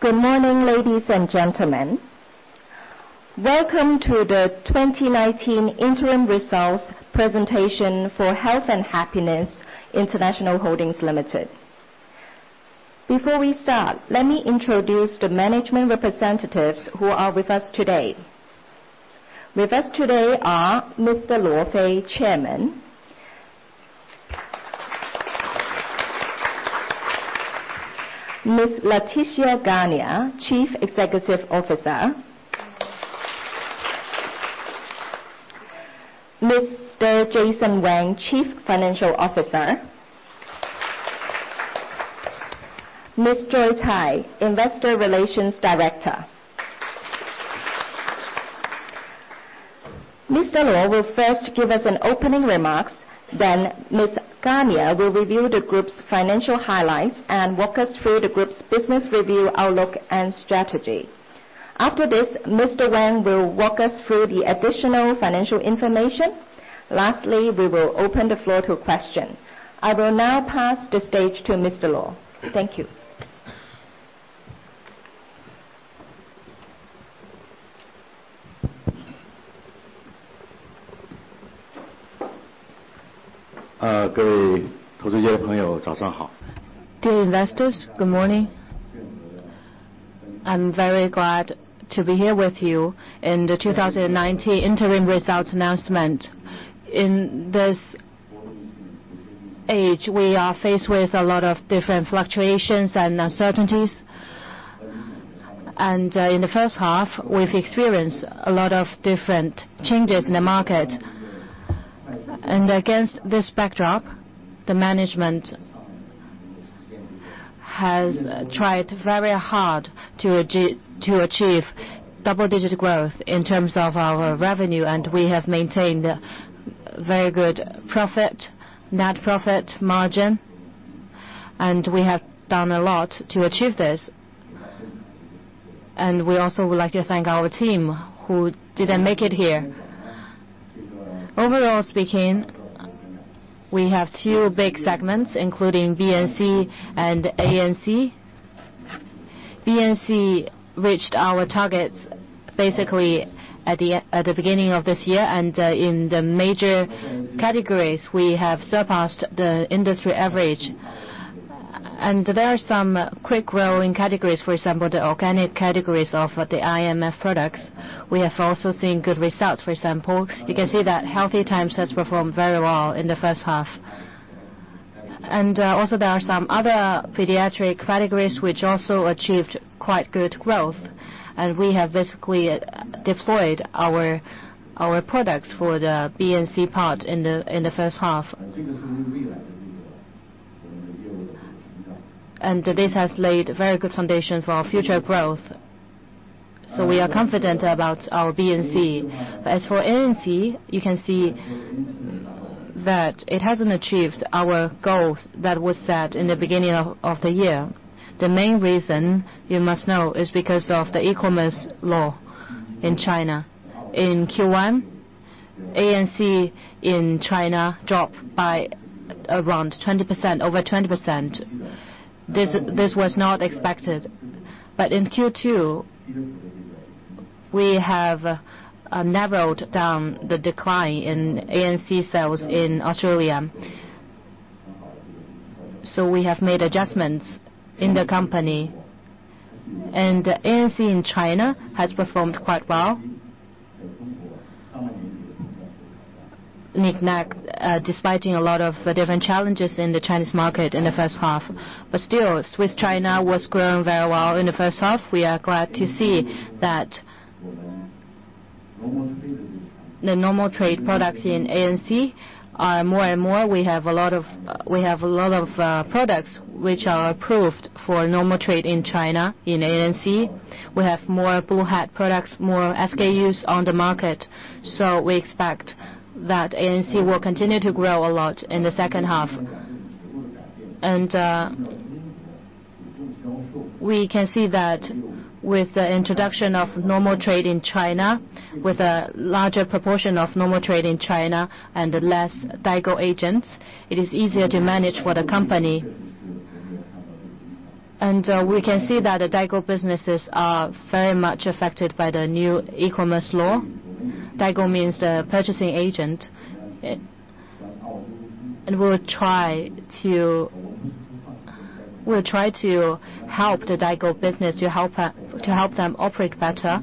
Good morning, ladies and gentlemen. Welcome to the 2019 interim results presentation for Health and Happiness International Holdings Limited. Before we start, let me introduce the management representatives who are with us today. With us today are Mr. Luo Fei, Chairman. Ms. Laetitia Garnier, Chief Executive Officer. Mr. Jason Wang, Chief Financial Officer. Mr. Tai, Investor Relations Director. Mr. Luo will first give us an opening remarks, then Ms. Garnier will review the group's financial highlights and walk us through the group's business review, outlook, and strategy. After this, Mr. Wang will walk us through the additional financial information. Lastly, we will open the floor to questions. I will now pass the stage to Mr. Luo. Thank you. Good investors, good morning. I'm very glad to be here with you in the 2019 interim results announcement. In this age, we are faced with a lot of different fluctuations and uncertainties, and in the first half, we've experienced a lot of different changes in the market. Against this backdrop, the management has tried very hard to achieve double-digit growth in terms of our revenue, and we have maintained a very good profit, net profit margin, and we have done a lot to achieve this. We also would like to thank our team who didn't make it here. Overall speaking, we have two big segments, including BNC and ANC. BNC reached our targets basically at the beginning of this year. In the major categories, we have surpassed the industry average. There are some quick growing categories, for example, the organic categories of the IMF products. We have also seen good results. For example, you can see that Healthy Times has performed very well in the first half. Also there are some other pediatric categories which also achieved quite good growth, and we have basically deployed our products for the BNC part in the first half. This has laid very good foundation for our future growth, so we are confident about our BNC. As for ANC, you can see that it hasn't achieved our goal that was set in the beginning of the year. The main reason you must know is because of the e-commerce law in China. In Q1, ANC in China dropped by around 20%, over 20%. This was not expected. In Q2, we have narrowed down the decline in ANC sales in Australia. We have made adjustments in the company. ANC in China has performed quite well, despite a lot of different challenges in the Chinese market in the first half. Still, Swisse China was growing very well in the first half. We are glad to see that the normal trade products in ANC are more and more, we have a lot of products which are approved for normal trade in China in ANC. We have more Blue Hat products, more SKUs on the market. We expect that ANC will continue to grow a lot in the second half. We can see that with the introduction of normal trade in China, with a larger proportion of normal trade in China and less Daigou agents, it is easier to manage for the company. We can see that the Daigou businesses are very much affected by the new e-commerce law. Daigou means the purchasing agent. We'll try to help the Daigou business, to help them operate better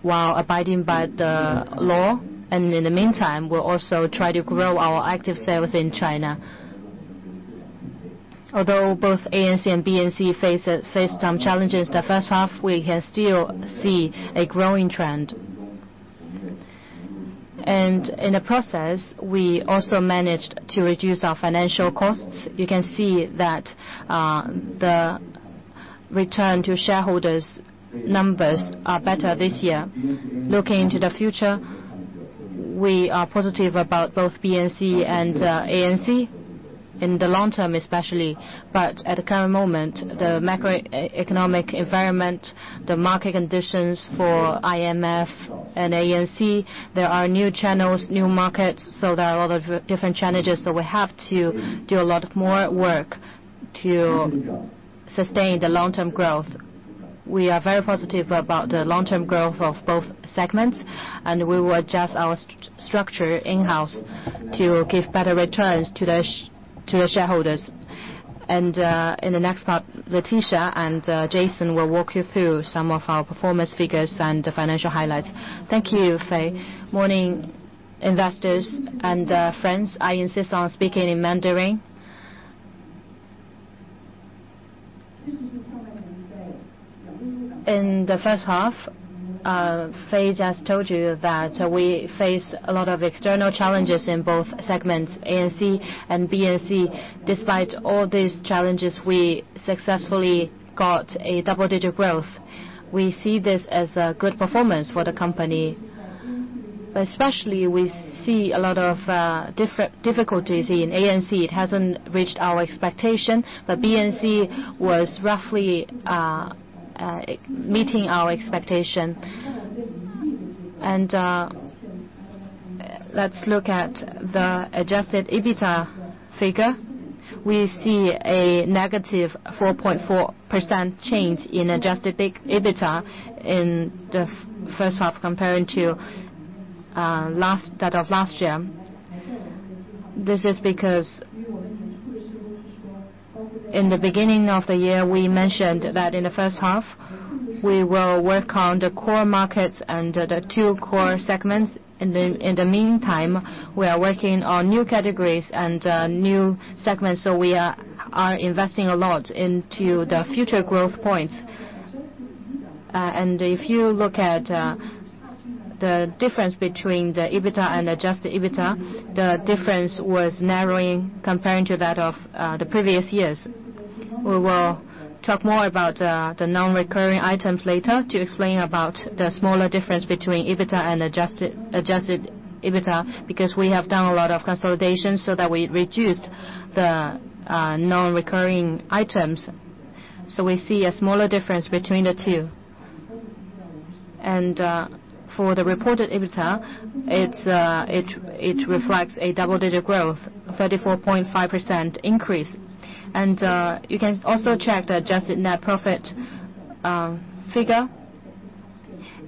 while abiding by the law. In the meantime, we'll also try to grow our active sales in China. Although both ANC and BNC faced some challenges the first half, we can still see a growing trend. In the process, we also managed to reduce our financial costs. You can see that the return to shareholders numbers are better this year. Looking to the future, we are positive about both BNC and ANC in the long term especially. At the current moment, the macroeconomic environment, the market conditions for IMF and ANC, there are new channels, new markets, there are a lot of different challenges. We have to do a lot more work to sustain the long-term growth We are very positive about the long-term growth of both segments. We will adjust our structure in-house to give better returns to the shareholders. In the next part, Laetitia and Jason will walk you through some of our performance figures and the financial highlights. Thank you, Fei. Morning, investors and friends. I insist on speaking in Mandarin. In the first half, Fei just told you that we faced a lot of external challenges in both segments, ANC and BNC. Despite all these challenges, we successfully got a double-digit growth. We see this as a good performance for the company. Especially, we see a lot of difficulties in ANC. It hasn't reached our expectation, but BNC was roughly meeting our expectation. Let's look at the adjusted EBITDA figure. We see a negative 4.4% change in adjusted EBITDA in the first half compared to that of last year. This is because in the beginning of the year, we mentioned that in the first half, we will work on the core markets under the two core segments. In the meantime, we are working on new categories and new segments, so we are investing a lot into the future growth points. If you look at the difference between the EBITDA and adjusted EBITDA, the difference was narrowing compared to that of the previous years. We will talk more about the non-recurring items later to explain about the smaller difference between EBITDA and adjusted EBITDA, because we have done a lot of consolidation so that we reduced the non-recurring items. We see a smaller difference between the two. For the reported EBITDA, it reflects a double-digit growth, a 34.5% increase. You can also check the adjusted net profit figure.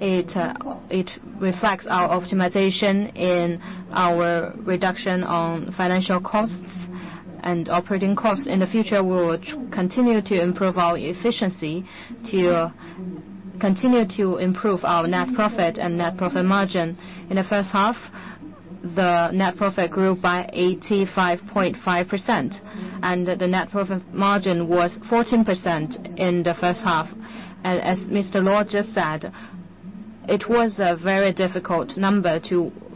It reflects our optimization in our reduction on financial costs and operating costs. In the future, we will continue to improve our efficiency to continue to improve our net profit and net profit margin. In the first half, the net profit grew by 85.5%, and the net profit margin was 14% in the first half. As Mr. Lo just said, it was a very difficult number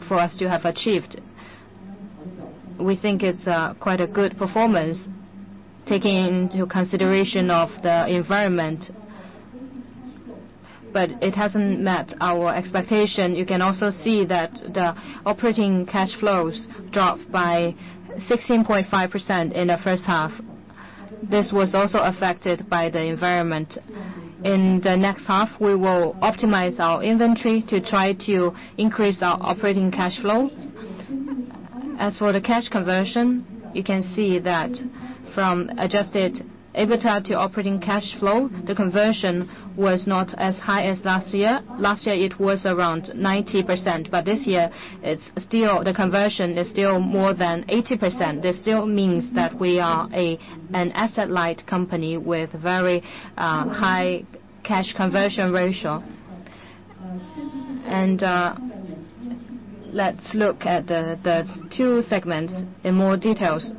for us to have achieved. We think it's quite a good performance, taking into consideration of the environment. It hasn't met our expectation. You can also see that the operating cash flows dropped by 16.5% in the first half. This was also affected by the environment. In the next half, we will optimize our inventory to try to increase our operating cash flows. As for the cash conversion, you can see that from adjusted EBITDA to operating cash flow, the conversion was not as high as last year. Last year it was around 90%, but this year, the conversion is still more than 80%. This still means that we are an asset-light company with very high cash conversion ratio. Let's look at the two segments in more details.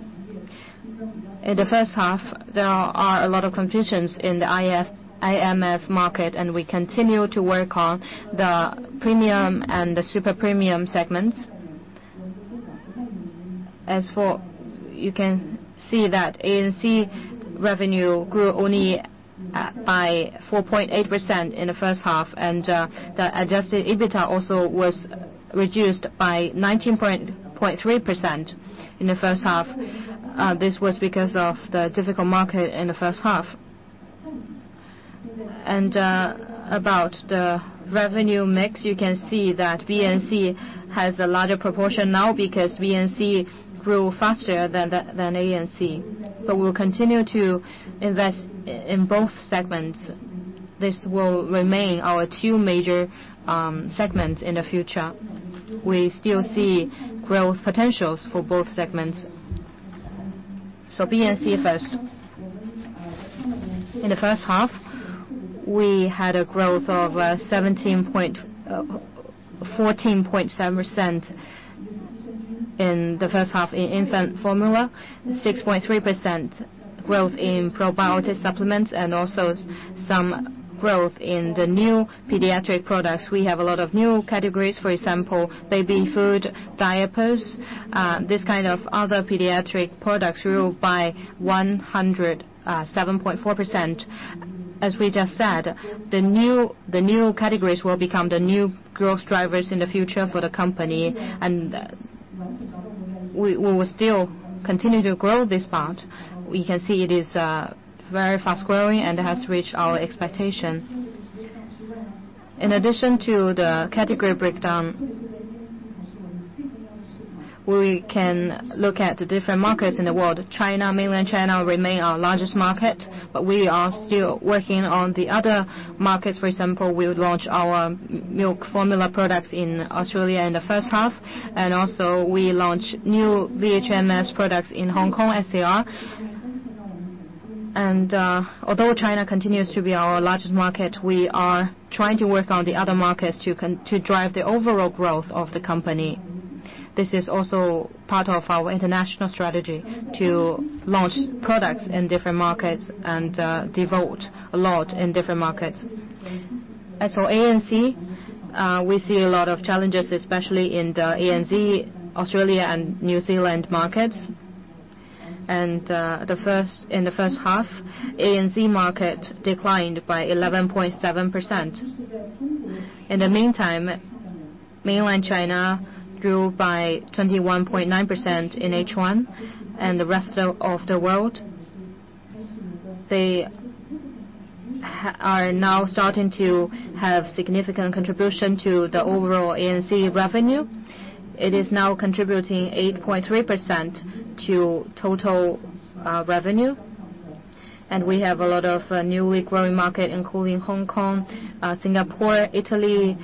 In the first half, there are a lot of confusions in the IMF market, and we continue to work on the premium and the super-premium segments. You can see that ANC revenue grew only by 4.8% in the first half, and the adjusted EBITDA also was reduced by 19.3% in the first half. This was because of the difficult market in the first half. About the revenue mix, you can see that BNC has a larger proportion now because BNC grew faster than ANC. We'll continue to invest in both segments. This will remain our two major segments in the future. We still see growth potentials for both segments. BNC first. In the first half, we had a growth of 14.7% in the first half in infant formula, 6.3% growth in probiotic supplements, and also some growth in the new pediatric products. We have a lot of new categories. For example, baby food, diapers. This kind of other pediatric products grew by 107.4%. As we just said, the new categories will become the new growth drivers in the future for the company, and we will still continue to grow this part. We can see it is very fast-growing and has reached our expectation. In addition to the category breakdown, we can look at the different markets in the world. Mainland China remain our largest market, but we are still working on the other markets. For example, we launch our milk formula products in Australia in the first half, and also we launch new VHMS products in Hong Kong, SAR. Although China continues to be our largest market, we are trying to work on the other markets to drive the overall growth of the company. This is also part of our international strategy to launch products in different markets and devote a lot in different markets. As for ANC, we see a lot of challenges, especially in the ANZ, Australia, and New Zealand markets. In the first half, ANC market declined by 11.7%. In the meantime, mainland China grew by 21.9% in H1 and the rest of the world, they are now starting to have significant contribution to the overall ANC revenue. It is now contributing 8.3% to total revenue. We have a lot of newly growing market, including Hong Kong, Singapore, Italy,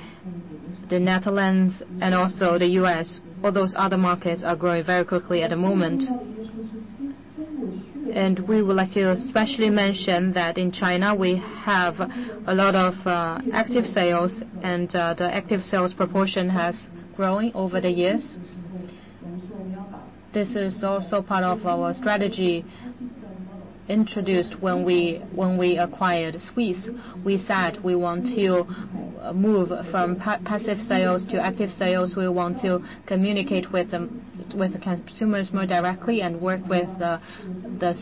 the Netherlands, and also the U.S. All those other markets are growing very quickly at the moment. We would like to especially mention that in China, we have a lot of active sales, and the active sales proportion has growing over the years. This is also part of our strategy introduced when we acquired Swisse. We said we want to move from passive sales to active sales. We want to communicate with the consumers more directly and work with the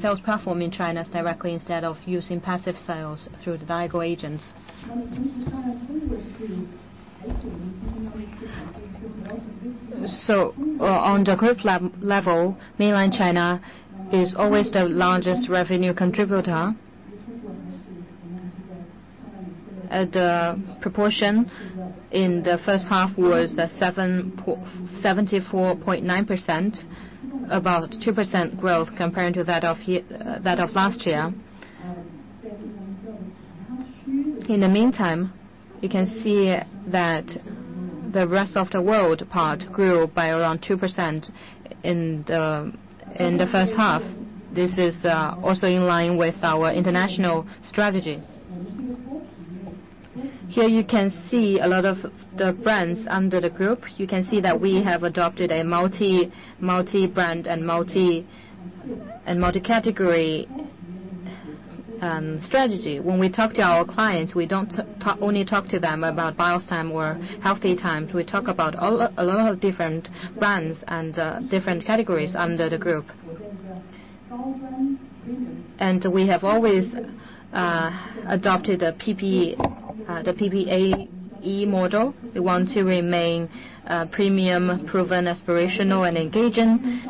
sales platform in China directly instead of using passive sales through the Daigou agents. On the group level, mainland China is always the largest revenue contributor. The proportion in the first half was 74.9%, about 2% growth compared to that of last year. In the meantime, you can see that the rest of the world part grew by around 2% in the first half. This is also in line with our international strategy. Here you can see a lot of the brands under the group. You can see that we have adopted a multi-brand and multi-category strategy. When we talk to our clients, we don't only talk to them about Biostime or Healthy Times. We talk about a lot of different brands and different categories under the group. We have always adopted the PPAE model. We want to remain premium, proven, aspirational, and engaging.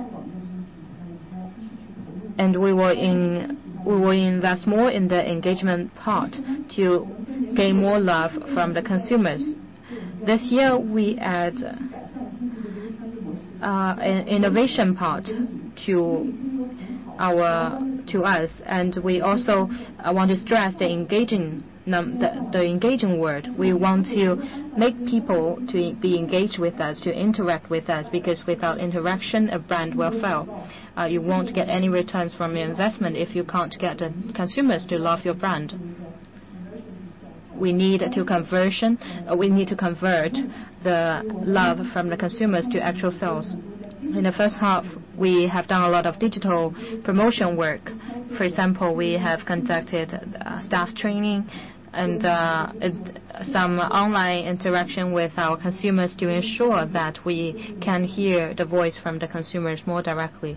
We will invest more in the engagement part to gain more love from the consumers. This year, we add an innovation part to us, and we also want to stress the engaging word. We want to make people to be engaged with us, to interact with us, because without interaction, a brand will fail. You won't get any returns from your investment if you can't get the consumers to love your brand. We need to convert the love from the consumers to actual sales. In the first half, we have done a lot of digital promotion work. For example, we have conducted staff training and some online interaction with our consumers to ensure that we can hear the voice from the consumers more directly.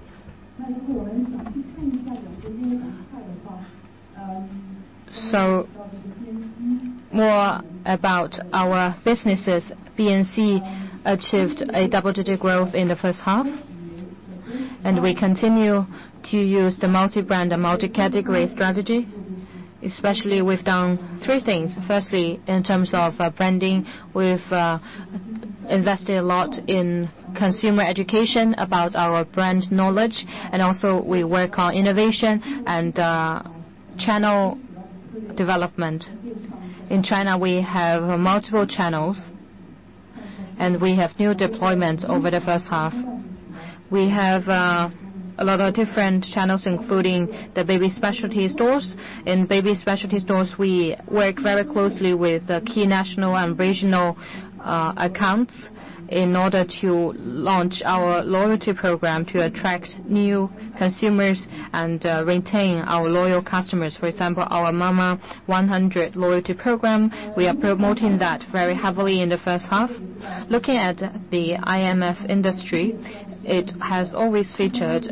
More about our businesses. BNC achieved a double-digit growth in the first half, and we continue to use the multi-brand and multi-category strategy, especially we've done three things. In terms of branding, we've invested a lot in consumer education about our brand knowledge. Also, we work on innovation and channel development. In China, we have multiple channels. We have new deployments over the first half. We have a lot of different channels, including the baby specialty stores. In baby specialty stores, we work very closely with the key national and regional accounts in order to launch our loyalty program to attract new consumers and retain our loyal customers. For example, our Mama100 loyalty program, we are promoting that very heavily in the first half. Looking at the IMF industry, it has always featured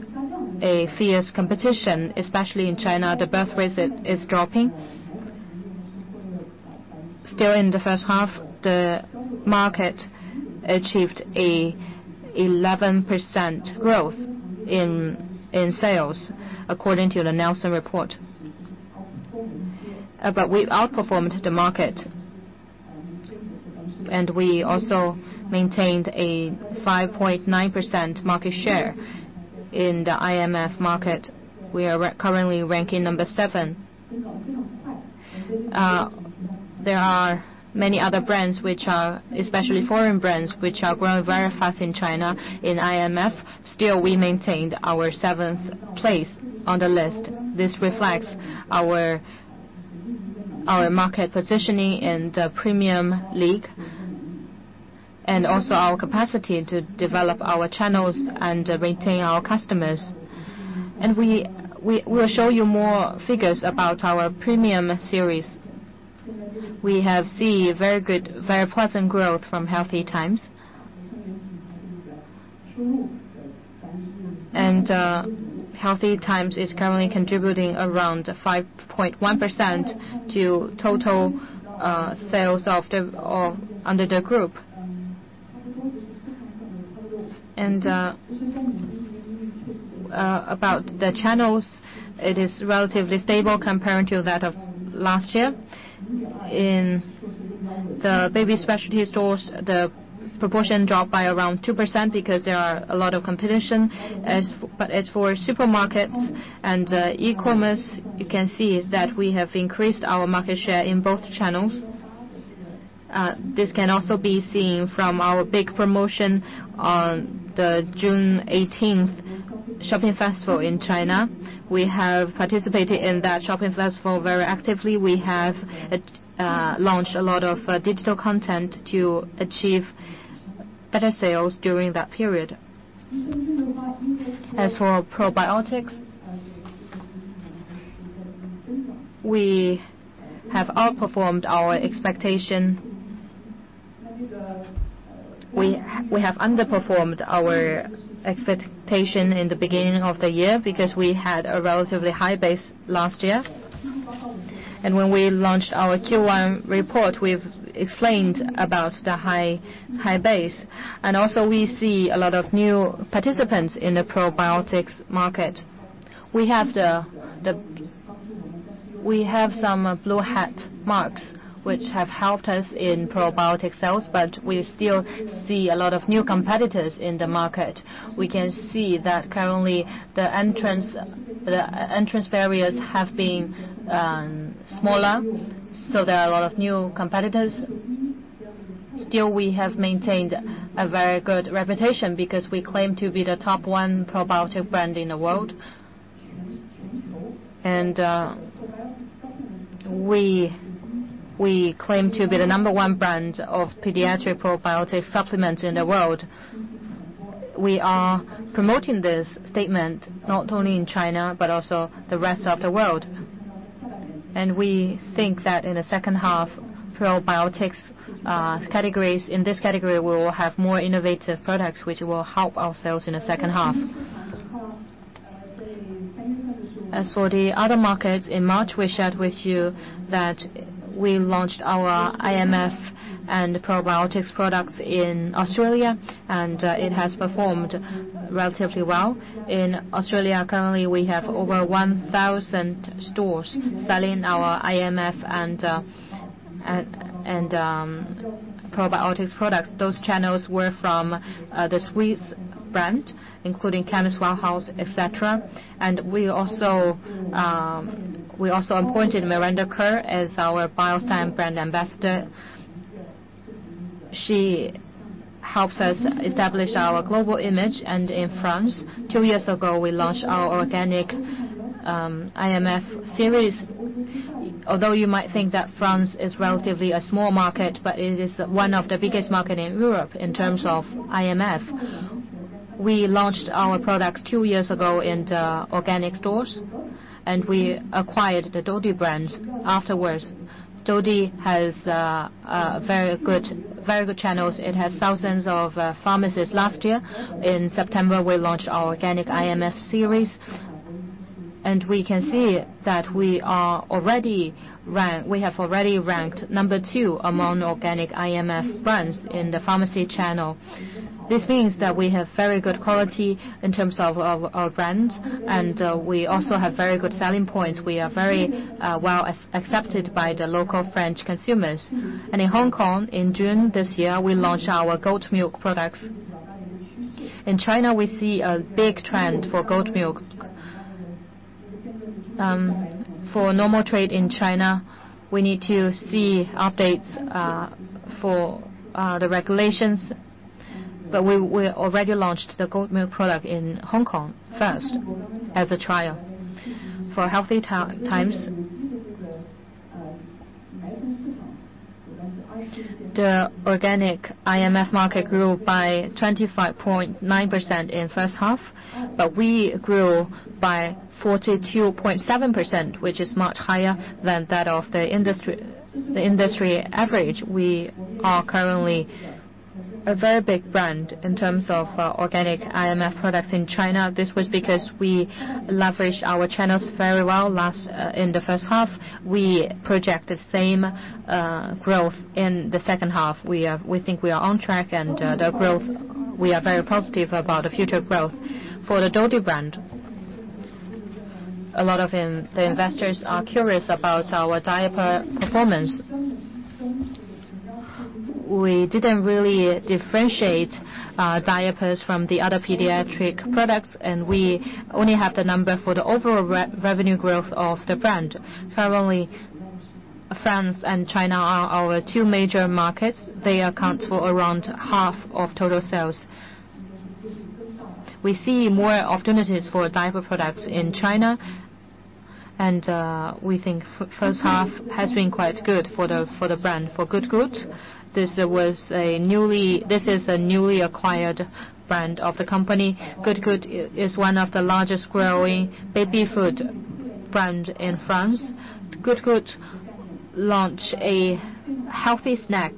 a fierce competition, especially in China. The birth rate is dropping. Still in the first half, the market achieved an 11% growth in sales according to the Nielsen report. We've outperformed the market, and we also maintained a 5.9% market share in the IFM market. We are currently ranking number 7. There are many other brands, especially foreign brands, which are growing very fast in China, in IFM. We maintained our seventh place on the list. This reflects our market positioning in the premium league, and also our capacity to develop our channels and retain our customers. We will show you more figures about our premium series. We have seen very pleasant growth from Healthy Times. Healthy Times is currently contributing around 5.1% to total sales under the group. About the channels, it is relatively stable compared to that of last year. In the baby specialty stores, the proportion dropped by around 2% because there are a lot of competition. As for supermarkets and e-commerce, you can see is that we have increased our market share in both channels. This can also be seen from our big promotion on the June 18th shopping festival in China. We have participated in that shopping festival very actively. We have launched a lot of digital content to achieve better sales during that period. As for probiotics, we have underperformed our expectation in the beginning of the year because we had a relatively high base last year. When we launched our Q1 report, we've explained about the high base. Also we see a lot of new participants in the probiotics market. We have some Blue Hat marks, which have helped us in probiotic sales. We still see a lot of new competitors in the market. We can see that currently, the entrance barriers have been smaller. There are a lot of new competitors. We have maintained a very good reputation because we claim to be the top one probiotic brand in the world. We claim to be the number one brand of pediatric probiotic supplements in the world. We are promoting this statement not only in China, but also the rest of the world. We think that in the second half, probiotics categories, in this category, we will have more innovative products which will help our sales in the second half. As for the other markets, in March, we shared with you that we launched our IMF and probiotics products in Australia, and it has performed relatively well. In Australia, currently, we have over 1,000 stores selling our IMF and probiotics products. Those channels were from the Swisse brand, including Chemist Warehouse, et cetera. We also appointed Miranda Kerr as our Biostime brand ambassador. She helps us establish our global image. In France, two years ago, we launched our organic IMF series. Although you might think that France is relatively a small market, but it is one of the biggest market in Europe in terms of IMF. We launched our products two years ago in the organic stores, and we acquired the Dodie brands afterwards. Dodie has very good channels. It has thousands of pharmacists. Last year, in September, we launched our organic IMF series. We can see that we have already ranked number 2 among organic IMF brands in the pharmacy channel. This means that we have very good quality in terms of our brand. We also have very good selling points. We are very well accepted by the local French consumers. In Hong Kong, in June this year, we launched our goat milk products. In China, we see a big trend for goat milk. For normal trade in China, we need to see updates for the regulations. We already launched the goat milk product in Hong Kong first as a trial. For Healthy Times, the organic IMF market grew by 25.9% in first half. We grew by 42.7%, which is much higher than that of the industry average. We are currently a very big brand in terms of organic IMF products in China. This was because we leveraged our channels very well in the first half. We project the same growth in the second half. We think we are on track. We are very positive about the future growth for the Dodie brand. A lot of the investors are curious about our diaper performance. We didn't really differentiate diapers from the other pediatric products, and we only have the number for the overall revenue growth of the brand. Currently, France and China are our two major markets. They account for around half of total sales. We see more opportunities for diaper products in China, and we think first half has been quite good for the brand. For Good Goût, this is a newly acquired brand of the company. Goodgoût is one of the largest growing baby food brand in France. Goodgoût launch a healthy snack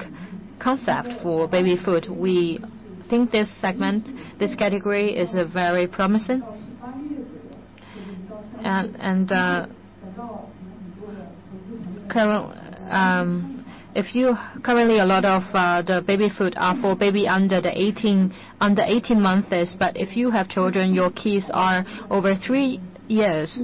concept for baby food. We think this segment, this category, is very promising. Currently, a lot of the baby food are for baby under 18 months, but if you have children, your kids are over three years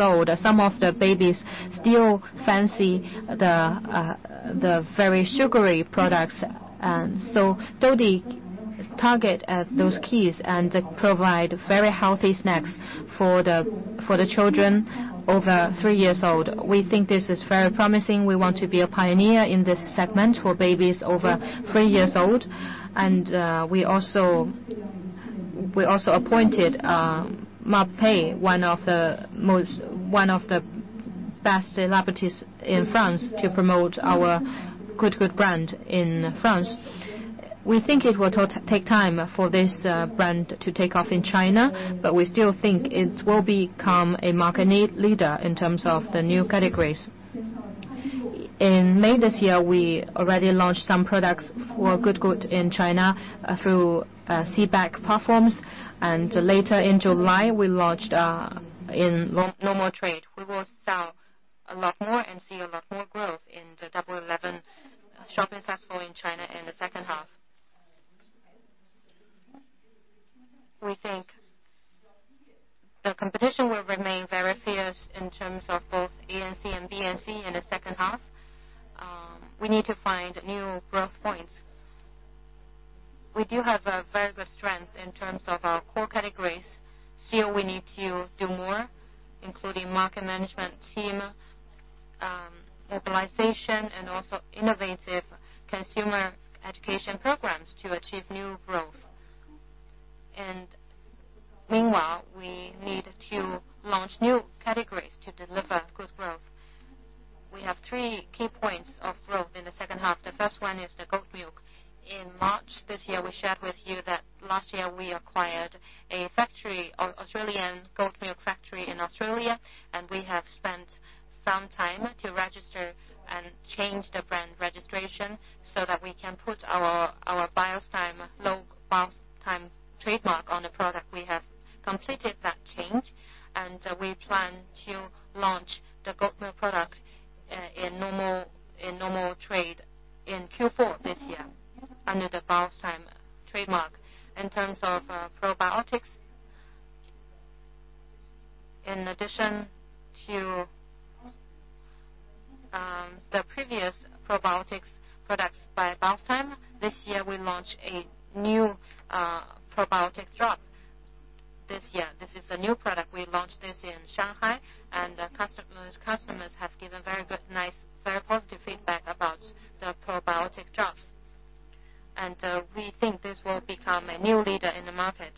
old, some of the babies still fancy the very sugary products. Dodie target at those kids and provide very healthy snacks for the children over three years old. We think this is very promising. We want to be a pioneer in this segment for babies over three years old. We also appointed Marpe, one of the best celebrities in France, to promote our Goodgoût brand in France. We think it will take time for this brand to take off in China, but we still think it will become a market leader in terms of the new categories. In May this year, we already launched some products for Good Goût in China through CBEC platforms. Later in July, we launched in normal trade. We will sell a lot more and see a lot more growth in the Double 11 shopping festival in China in the second half. We think the competition will remain very fierce in terms of both ANC and BNC in the second half. We need to find new growth points. We do have a very good strength in terms of our core categories. Still we need to do more, including market management team, localization, and also innovative consumer education programs to achieve new growth. Meanwhile, we need to launch new categories to deliver good growth. We have 3 key points of growth in the second half. The first one is the goat milk. In March this year, we shared with you that last year we acquired a factory, an Australian goat milk factory in Australia, and we have spent some time to register and change the brand registration so that we can put our Biostime trademark on the product. We have completed that change, and we plan to launch the goat milk product in normal trade in Q4 this year under the Biostime trademark. In terms of probiotics, in addition to the previous probiotics products by Biostime, this year we launch a new probiotic drop. This is a new product. We launched this in Shanghai, the customers have given very good, nice, very positive feedback about the probiotic drops. We think this will become a new leader in the market.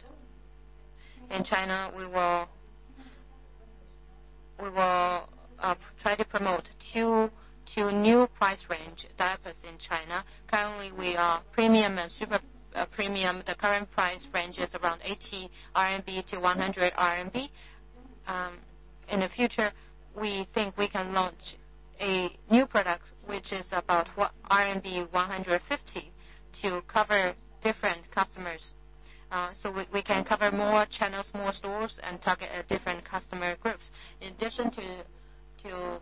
In China, we will try to promote two new price range diapers in China. Currently, we are premium and super premium. The current price range is around 80 RMB to 100 RMB. In the future, we think we can launch a new product, which is about RMB 150, to cover different customers. We can cover more channels, more stores, and target different customer groups. In addition to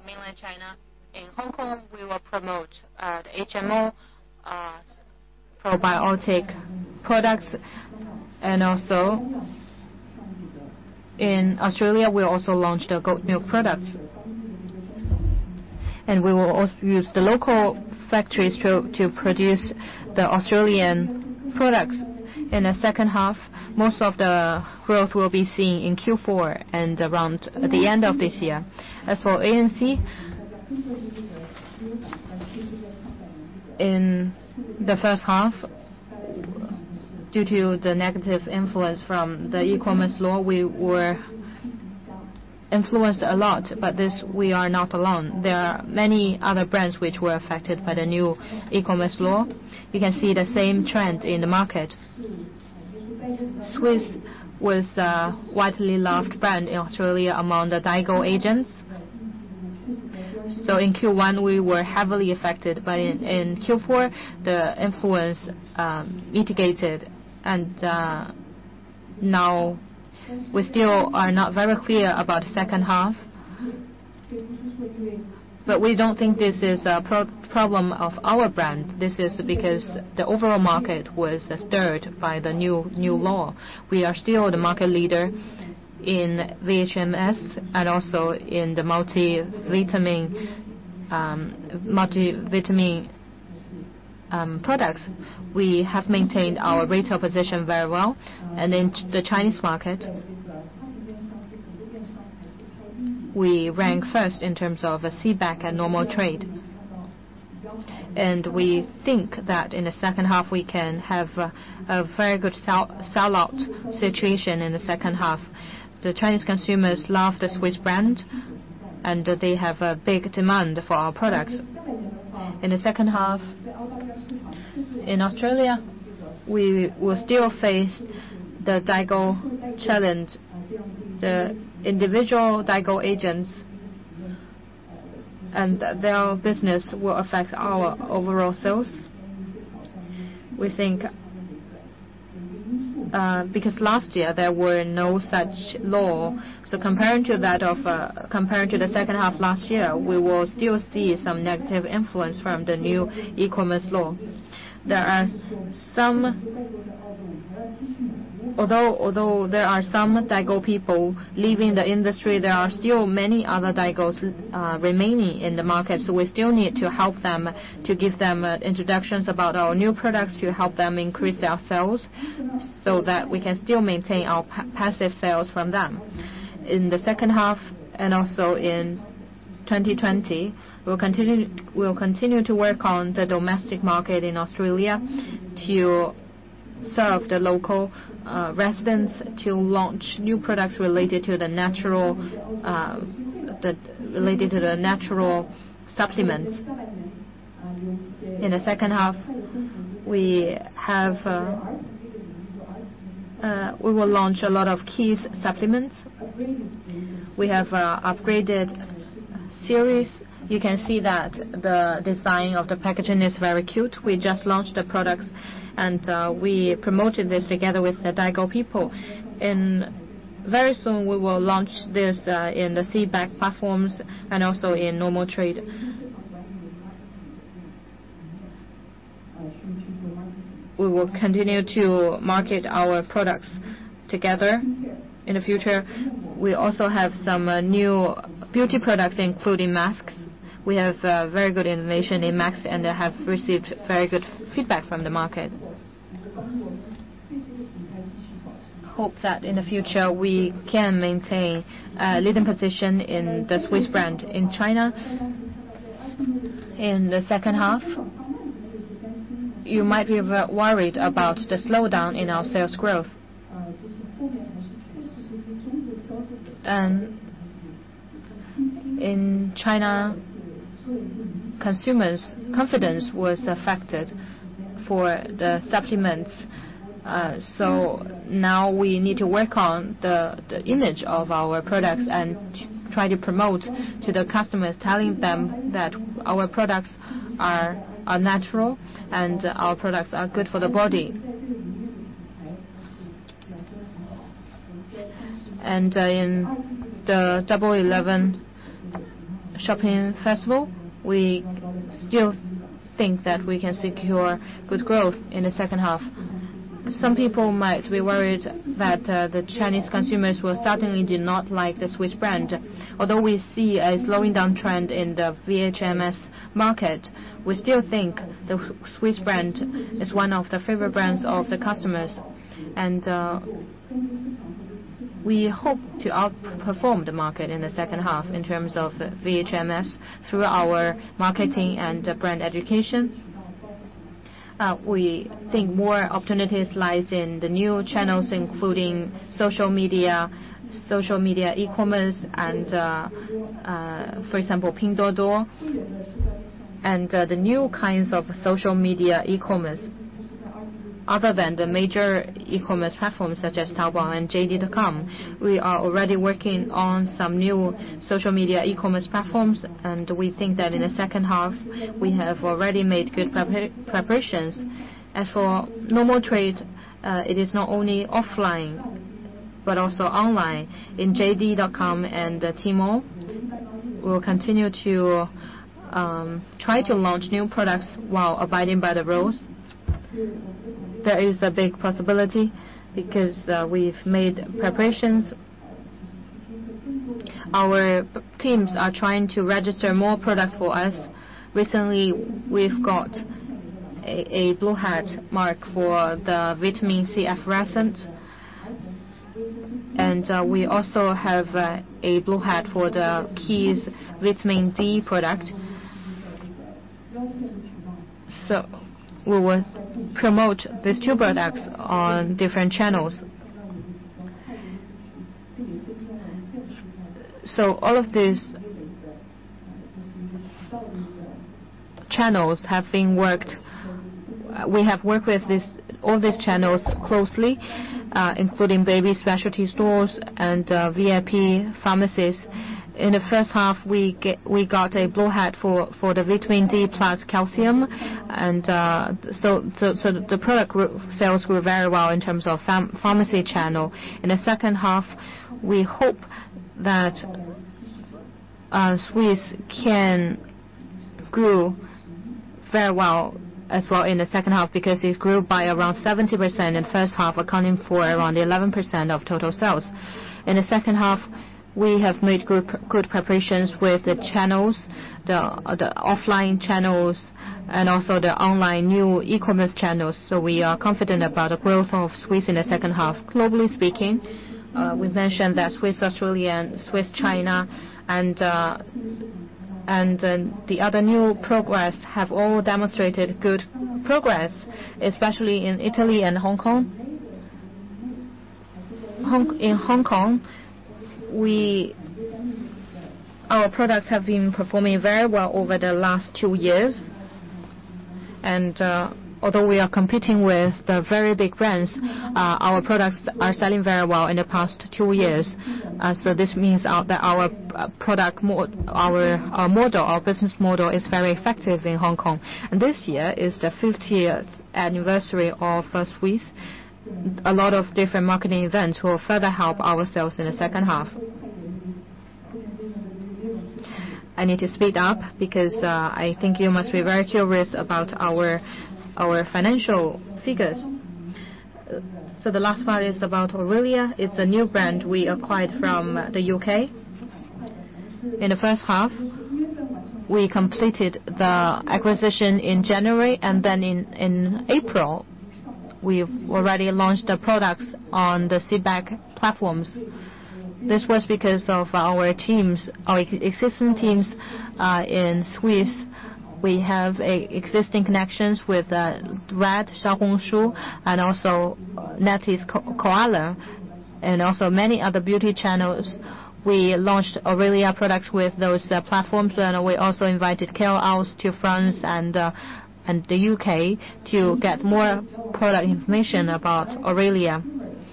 mainland China, in Hong Kong, we will promote the HMO probiotic products. Also, in Australia, we also launched the goat milk products. We will also use the local factories to produce the Australian products. In the second half, most of the growth will be seen in Q4 and around the end of this year. As for ANC, in the first half, due to the negative influence from the e-commerce law, we were influenced a lot. This, we are not alone. There are many other brands which were affected by the new e-commerce law. You can see the same trend in the market. Swisse was a widely loved brand in Australia among the Daigou agents. In Q1, we were heavily affected by it. In Q4, the influence mitigated. Now we still are not very clear about second half. We don't think this is a problem of our brand. This is because the overall market was stirred by the new law. We are still the market leader in VHMS and also in the multivitamin products. We have maintained our retail position very well. In the Chinese market, we rank first in terms of CBEC and normal trade. We think that in the second half, we can have a very good sellout situation in the second half. The Chinese consumers love the Swisse brand, and they have a big demand for our products. In the second half, in Australia, we will still face the Daigou challenge. The individual Daigou agents and their business will affect our overall sales. We think because last year there were no such law, so compared to the second half last year, we will still see some negative influence from the new e-commerce law. Although there are some Daigou people leaving the industry, there are still many other Daigous remaining in the market, so we still need to help them to give them introductions about our new products to help them increase their sales so that we can still maintain our passive sales from them. In the second half and also in 2020, we'll continue to work on the domestic market in Australia to serve the local residents to launch new products related to the natural supplements. In the second half, we will launch a lot of Kids supplements. We have upgraded series. You can see that the design of the packaging is very cute. We just launched the products. We promoted this together with the Daigou people. Very soon, we will launch this in the CBEC platforms and also in normal trade. We will continue to market our products together in the future. We also have some new beauty products, including masks. We have very good innovation in masks. They have received very good feedback from the market. We hope that in the future, we can maintain a leading position in the Swisse brand in China. In the second half, you might be worried about the slowdown in our sales growth. In China, consumers' confidence was affected for the supplements. Now we need to work on the image of our products and try to promote to the customers, telling them that our products are natural and our products are good for the body. In the Double Eleven shopping festival, we still think that we can secure good growth in the second half. Some people might be worried that the Chinese consumers will certainly do not like the Swisse brand. Although we see a slowing down trend in the VHMS market, we still think the Swisse brand is one of the favorite brands of the customers. We hope to outperform the market in the second half in terms of VHMS through our marketing and brand education. We think more opportunities lies in the new channels, including social media, social media e-commerce and, for example, Pinduoduo and the new kinds of social media e-commerce other than the major e-commerce platforms such as Taobao and JD.com. We are already working on some new social media e-commerce platforms. We think that in the second half, we have already made good preparations. As for normal trade, it is not only offline but also online. In JD.com and Tmall, we will continue to try to launch new products while abiding by the rules. There is a big possibility because we've made preparations. Our teams are trying to register more products for us. Recently, we've got a blue hat mark for the vitamin C effervescent, and we also have a blue hat for the Kids vitamin D product. We will promote these two products on different channels. All of these channels have been worked. We have worked with all these channels closely, including baby specialty stores and VIP pharmacies. In the first half, we got a Blue Hat for the vitamin D plus calcium. The product sales grew very well in terms of pharmacy channel. In the second half, we hope that Swisse can grow very well as well in the second half, because it grew by around 70% in the first half, accounting for around 11% of total sales. In the second half, we have made good preparations with the channels, the offline channels, and also the online new e-commerce channels. We are confident about the growth of Swisse in the second half. Globally speaking, we've mentioned that Swisse Australia, and Swisse China, and the other new progress have all demonstrated good progress, especially in Italy and Hong Kong. In Hong Kong, our products have been performing very well over the last two years. Although we are competing with the very big brands, our products are selling very well in the past two years. This means that our business model is very effective in Hong Kong. This year is the 50th anniversary of Swisse. A lot of different marketing events will further help our sales in the second half. I need to speed up because I think you must be very curious about our financial figures. The last part is about Aurelia. It's a new brand we acquired from the U.K. In the first half, we completed the acquisition in January, then in April, we've already launched the products on the Seibag platforms. This was because of our existing teams in Swisse. We have existing connections with RED Xiaohongshu, and also NetEase Kaola, and also many other beauty channels. We launched Aurelia products with those platforms, and we also invited KOLs to France and the U.K. to get more product information about Aurelia.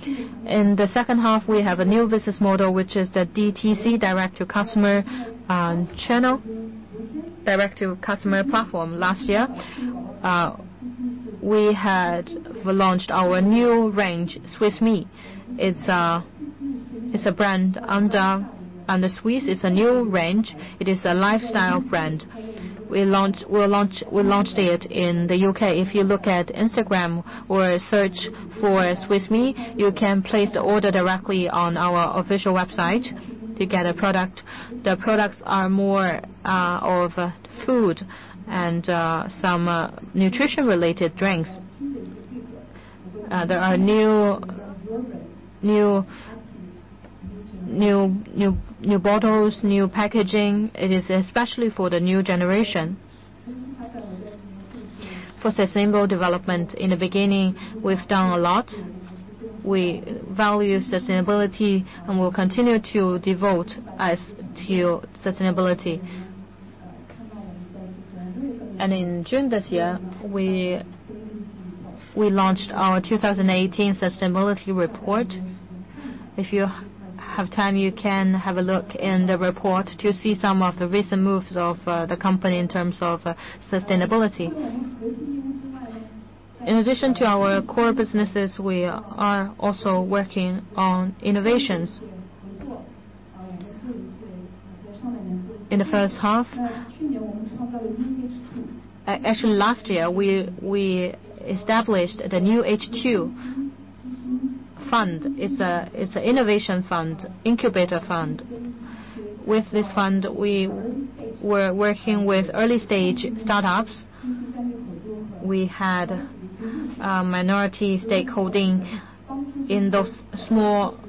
In the second half, we have a new business model, which is the DTC, direct-to-customer channel. Direct-to-customer platform. Last year, we had launched our new range, Swisse Me. It's a brand under Swisse. It's a new range. It is the lifestyle brand. We launched it in the U.K. If you look at Instagram or search for Swisse Me, you can place the order directly on our official website to get a product. The products are more of food and some nutrition-related drinks. There are new bottles, new packaging. It is especially for the new generation. For sustainable development, in the beginning, we've done a lot. We value sustainability, and we'll continue to devote us to sustainability. In June this year, we launched our 2018 sustainability report. If you have time, you can have a look in the report to see some of the recent moves of the company in terms of sustainability. In addition to our core businesses, we are also working on innovations. In the first half actually, last year, we established the NewH2 fund. It's an innovation fund, incubator fund. With this fund, we were working with early-stage startups. We had a minority stakeholding in those small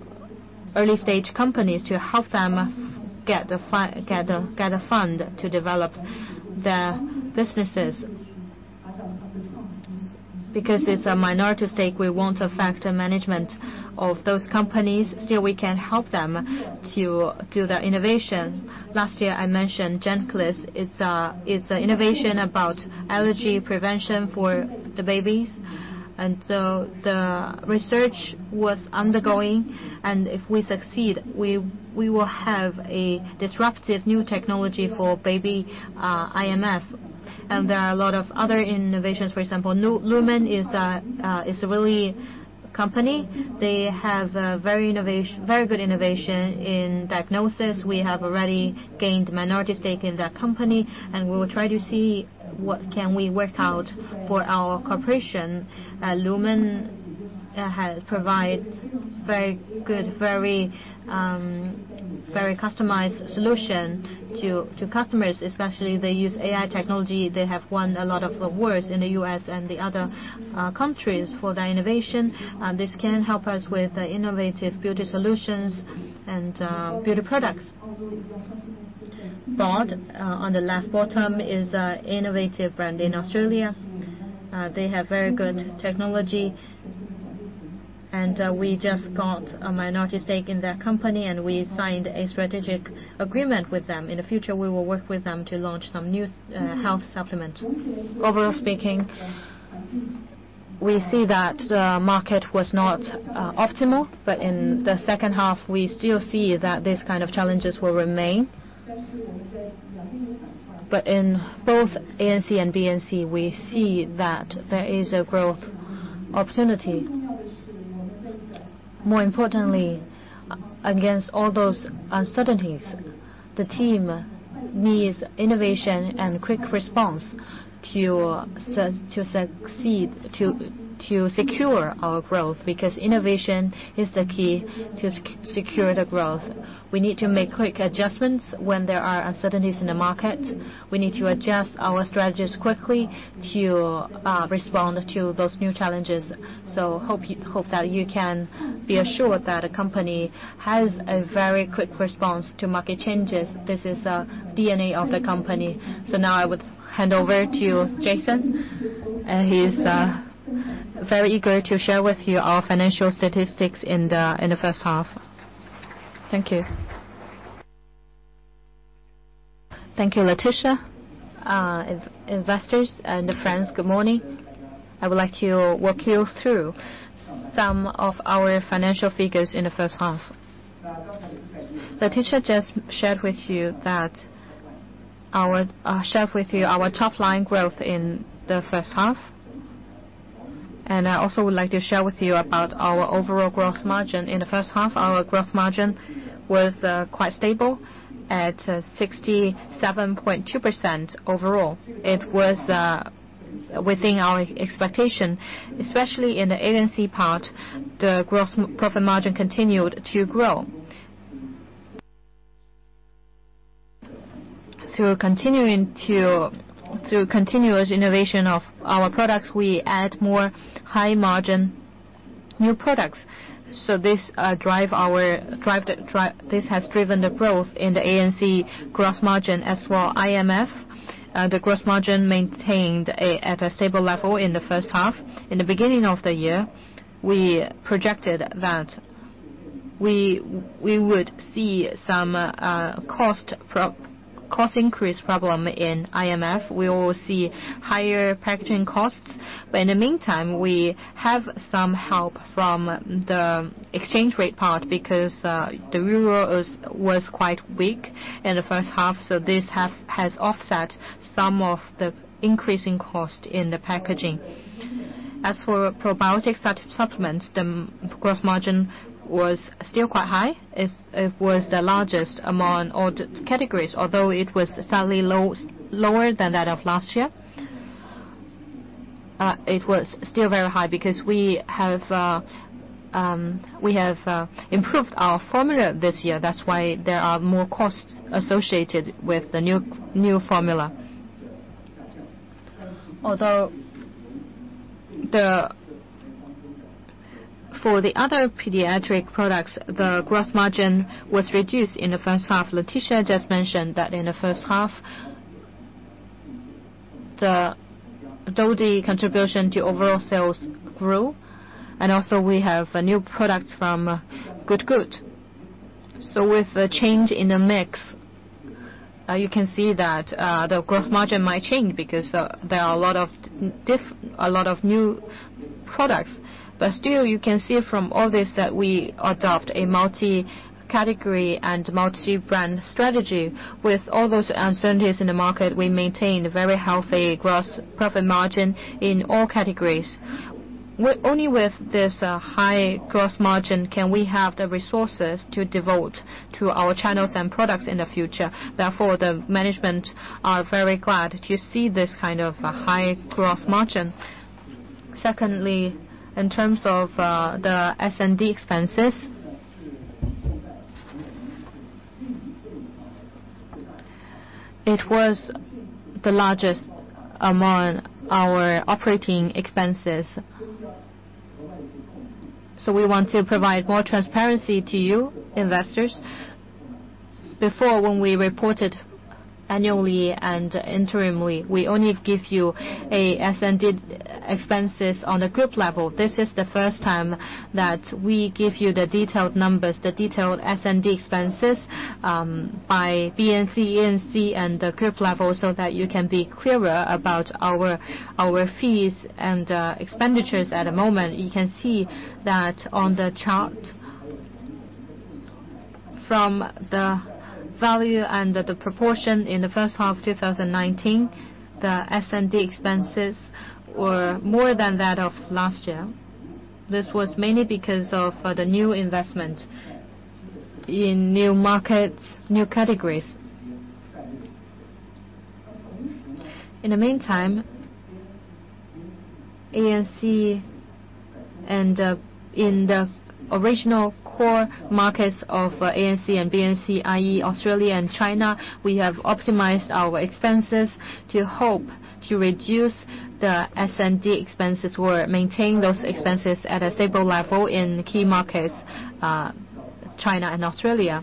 early-stage companies to help them get a fund to develop their businesses. Because it's a minority stake, we won't affect the management of those companies. Still, we can help them to do their innovation. Last year, I mentioned GenClis. It's an innovation about allergy prevention for the babies. The research was undergoing, and if we succeed, we will have a disruptive new technology for baby IMF. There are a lot of other innovations. For example, Lumen is a really company. They have very good innovation in diagnosis. We have already gained minority stake in that company, and we will try to see what can we work out for our corporation. Lumen provide very good, very customized solution to customers especially. They use AI technology. They have won a lot of awards in the U.S. and the other countries for their innovation. This can help us with innovative beauty solutions and beauty products. Bod, on the last bottom, is an innovative brand in Australia. They have very good technology, and we just got a minority stake in their company, and we signed a strategic agreement with them. In the future, we will work with them to launch some new health supplements. Overall speaking, we see that the market was not optimal, but in the second half, we still see that these kind of challenges will remain. In both ANC and BNC, we see that there is a growth opportunity. More importantly, against all those uncertainties, the team needs innovation and quick response to succeed, to secure our growth because innovation is the key to secure the growth. We need to make quick adjustments when there are uncertainties in the market. We need to adjust our strategies quickly to respond to those new challenges. Hope that you can be assured that the company has a very quick response to market changes. This is the DNA of the company. Now I would hand over to Jason, and he's very eager to share with you our financial statistics in the first half. Thank you. Thank you, Letitia. Investors and friends, good morning. I would like to walk you through some of our financial figures in the first half. Letitia just shared with you our top-line growth in the first half, and I also would like to share with you about our overall gross margin. In the first half, our gross margin was quite stable at 67.2% overall. It was within our expectation, especially in the ANC part, the gross profit margin continued to grow. Through continuous innovation of our products, we add more high-margin new products. This has driven the growth in the ANC gross margin. As for IMF, the gross margin maintained at a stable level in the first half. In the beginning of the year, we projected that we would see some cost increase problem in IMF. We will see higher packaging costs. In the meantime, we have some help from the exchange rate part because the Euro was quite weak in the first half, so this has offset some of the increasing cost in the packaging. As for probiotic supplements, the gross margin was still quite high. It was the largest among all categories. Although it was slightly lower than that of last year, it was still very high because we have improved our formula this year. That's why there are more costs associated with the new formula. Although, for the other pediatric products, the gross margin was reduced in the first half. Laetitia just mentioned that in the first half, the Dodie contribution to overall sales grew, and also we have new products from Good Goût. With the change in the mix, you can see that the gross margin might change because there are a lot of new products. Still, you can see from all this that we adopt a multi-category and multi-brand strategy. With all those uncertainties in the market, we maintain very healthy gross profit margin in all categories. Only with this high gross margin can we have the resources to devote to our channels and products in the future. The management are very glad to see this kind of high gross margin. Secondly, in terms of the S&D expenses, it was the largest among our operating expenses. We want to provide more transparency to you investors. Before, when we reported annually and interimly, we only give you S&D expenses on the group level. This is the first time that we give you the detailed numbers, the detailed S&D expenses by BNC, ANC, and the group level, so that you can be clearer about our fees and expenditures at the moment. You can see that on the chart. From the value and the proportion in the first half 2019, the S&D expenses were more than that of last year. This was mainly because of the new investment in new markets, new categories. In the meantime, ANC and in the original core markets of ANC and BNC, i.e., Australia and China, we have optimized our expenses to hope to reduce the S&D expenses or maintain those expenses at a stable level in the key markets, China and Australia.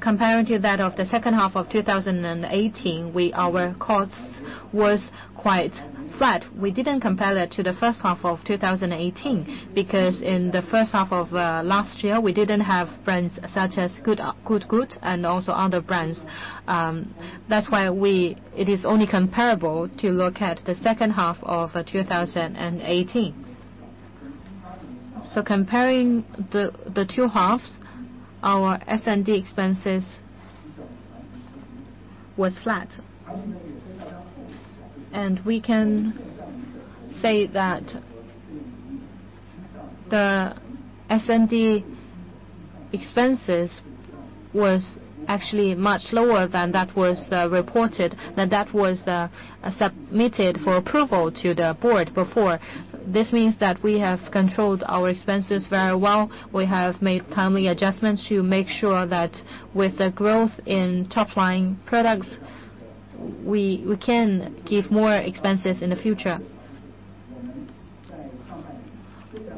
Comparing to that of the second half of 2018, our cost was quite flat. We didn't compare it to the first half of 2018 because in the first half of last year, we didn't have brands such as Good Goût and also other brands. That's why it is only comparable to look at the second half of 2018. Comparing the two halves, our S&D expenses were flat. We can say that the S&D expenses were actually much lower than that was reported, than that was submitted for approval to the board before. This means that we have controlled our expenses very well. We have made timely adjustments to make sure that with the growth in top-line products, we can give more expenses in the future.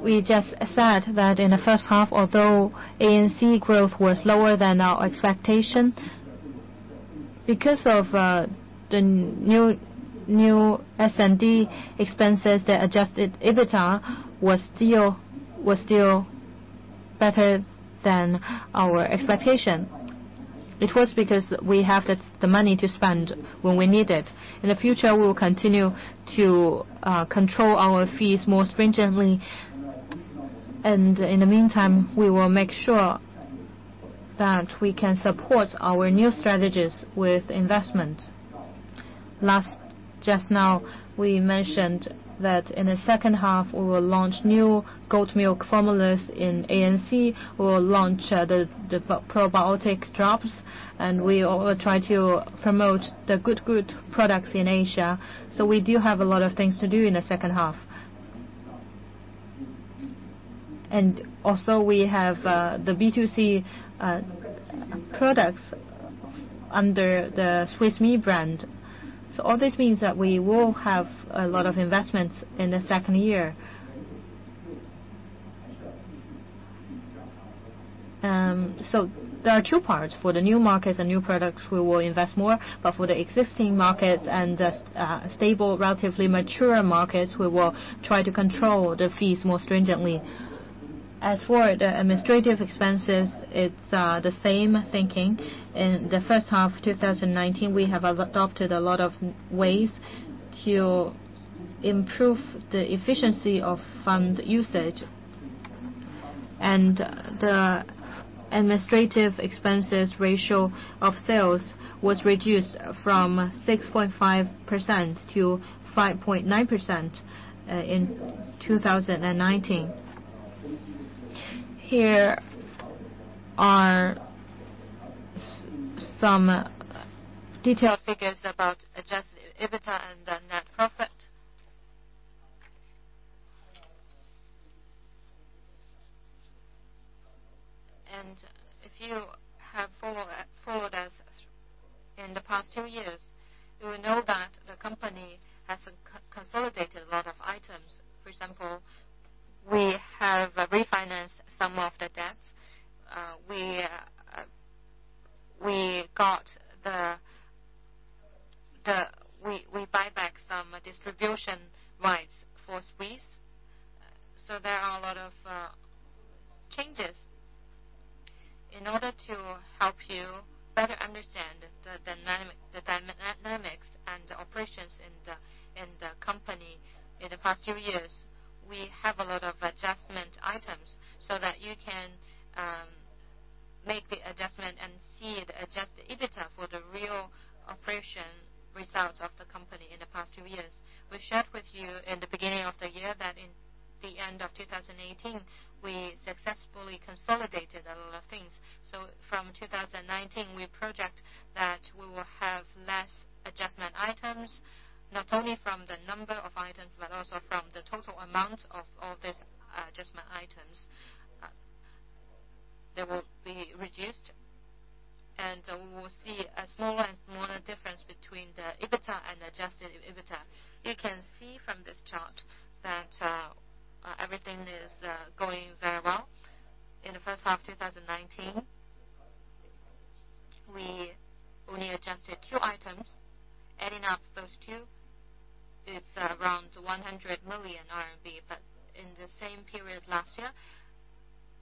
We just said that in the first half, although ANC growth was lower than our expectation, because of the new S&D expenses, the adjusted EBITDA was still better than our expectation. It was because we have the money to spend when we need it. In the future, we will continue to control our fees more stringently, and in the meantime, we will make sure that we can support our new strategies with investment. Just now, we mentioned that in the second half, we will launch new goat milk formulas in ANC. We will launch the probiotic drops, and we will try to promote the Good Goût products in Asia. We do have a lot of things to do in the second half. Also we have the B2C products under the Swisse Me brand. All this means that we will have a lot of investments in the second year. There are two parts. For the new markets and new products, we will invest more, but for the existing markets and the stable, relatively mature markets, we will try to control the fees more stringently. As for the administrative expenses, it's the same thinking. In the first half of 2019, we have adopted a lot of ways to improve the efficiency of fund usage. The administrative expenses ratio of sales was reduced from 6.5% to 5.9% in 2019. Here are some detailed figures about adjusted EBITDA and the net profit. If you have followed us in the past two years, you will know that the company has consolidated a lot of items. For example, we have refinanced some of the debt. We buy back some distribution rights for Swisse. There are a lot of changes. In order to help you better understand the dynamics and operations in the company in the past few years, we have a lot of adjustment items so that you can make the adjustment and see the adjusted EBITDA for the real operation results of the company in the past two years. We shared with you in the beginning of the year that in the end of 2018, we successfully consolidated a lot of things. From 2019, we project that we will have less adjustment items, not only from the number of items, but also from the total amount of all these adjustment items. They will be reduced, and we will see a smaller and smaller difference between the EBITDA and adjusted EBITDA. You can see from this chart that everything is going very well. In the first half of 2019, we only adjusted two items. Adding up those two, it is around 100 million RMB. In the same period last year,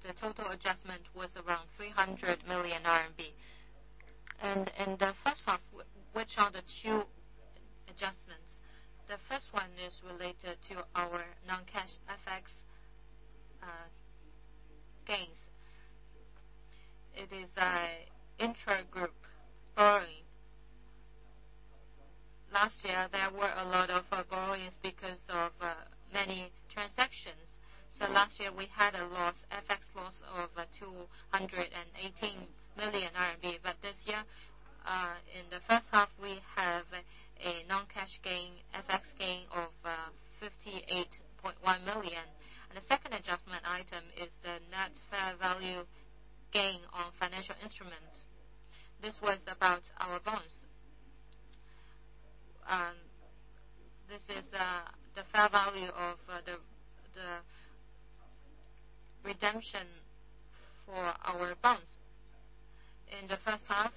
the total adjustment was around 300 million RMB. In the first half, which are the two adjustments? The first one is related to our non-cash FX gains. It is intragroup borrowing. Last year, there were a lot of borrowings because of many transactions. Last year, we had a loss, FX loss of 218 million RMB. This year, in the first half, we have a non-cash gain, FX gain of 58.1 million. The second adjustment item is the net fair value gain on financial instruments. This was about our bonds. This is the fair value of the redemption for our bonds. In the first half,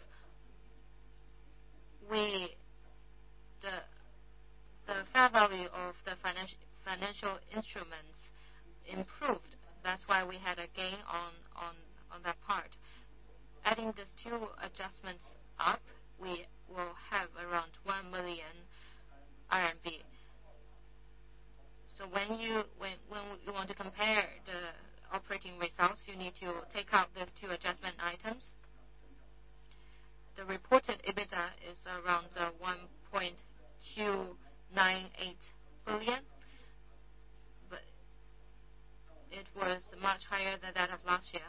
the fair value of the financial instruments improved. That's why we had a gain on that part. Adding these two adjustments up, we will have around RMB 1 million. When you want to compare the operating results, you need to take out these two adjustment items. The reported EBITDA is around RMB 1.298 billion, it was much higher than that of last year.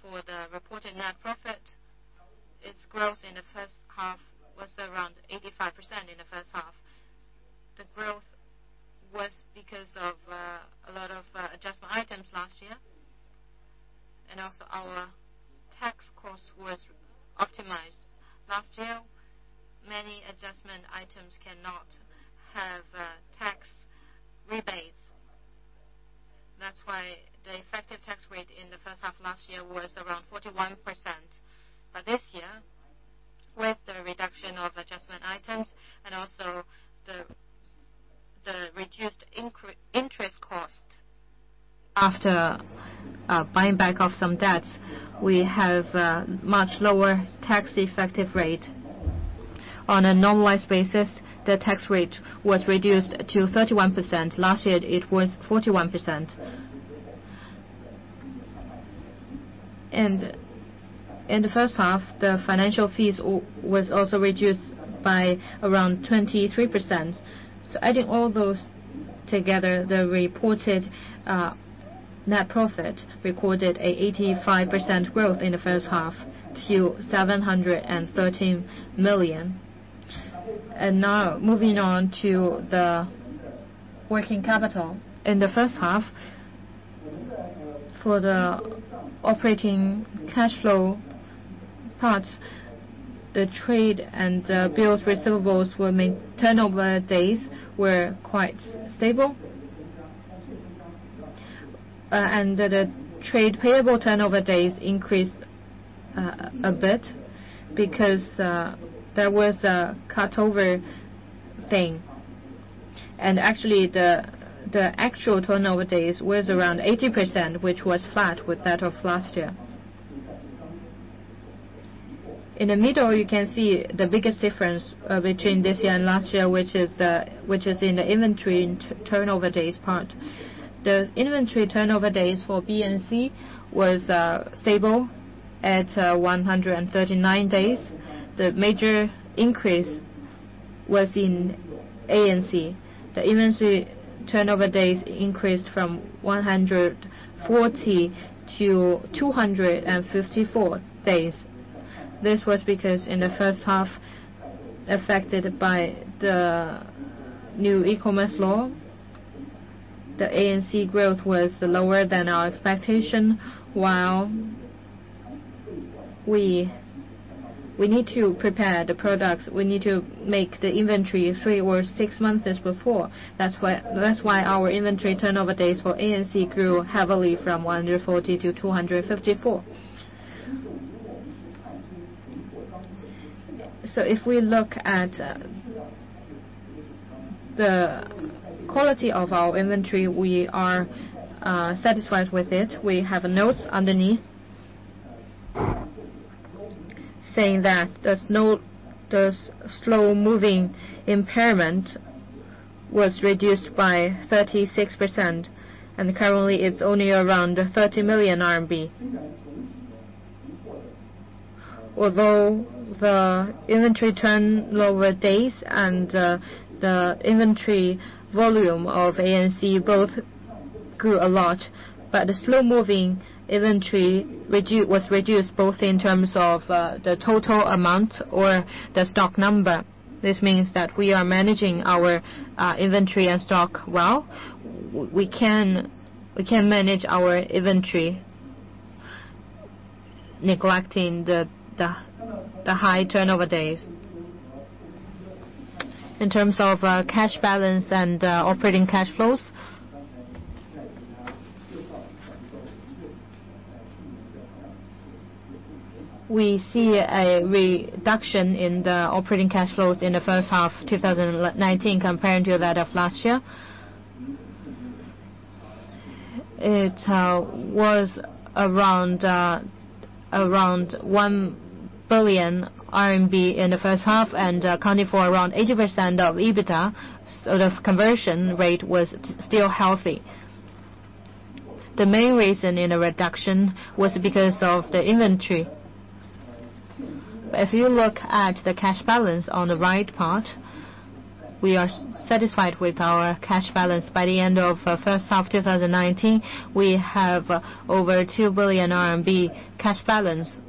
For the reported net profit, its growth in the first half was around 85% in the first half. The growth was because of a lot of adjustment items last year, and also our tax cost was optimized. Last year, many adjustment items cannot have tax rebates. That's why the effective tax rate in the first half last year was around 41%. This year, with the reduction of adjustment items and also the reduced interest cost after buying back off some debts, we have much lower tax effective rate. On a normalized basis, the tax rate was reduced to 31%. Last year, it was 41%. In the first half, the financial fees was also reduced by around 23%. Adding all those together, the reported net profit recorded an 85% growth in the first half to 713 million. Now moving on to the working capital. In the first half, for the operating cash flow part, the trade and bills receivables turnover days were quite stable. The trade payable turnover days increased a bit because there was a cut-over thing. Actually, the actual turnover days was around 80%, which was flat with that of last year. In the middle, you can see the biggest difference between this year and last year, which is in the inventory and turnover days part. The inventory turnover days for BNC was stable at 139 days. The major increase was in ANC. The inventory turnover days increased from 140 to 254 days. This was because in the first half, affected by the new e-commerce law, the ANC growth was lower than our expectation, while we need to prepare the products. We need to make the inventory three or six months as before. That's why our inventory turnover days for ANC grew heavily from 140 to 254. If we look at the quality of our inventory, we are satisfied with it. We have a note underneath saying that the slow-moving impairment was reduced by 36%, and currently it's only around 30 million RMB. Although the inventory turnover days and the inventory volume of ANC both grew a lot, but the slow-moving inventory was reduced both in terms of the total amount or the stock number. This means that we are managing our inventory and stock well. We can manage our inventory, neglecting the high turnover days. In terms of cash balance and operating cash flows, we see a reduction in the operating cash flows in the first half 2019 compared to that of last year. It was around 1 billion RMB in the first half and accounted for around 80% of EBITDA. The conversion rate was still healthy. The main reason in the reduction was because of the inventory. If you look at the cash balance on the right part, we are satisfied with our cash balance. By the end of first half 2019, we have over 2 billion RMB cash balance.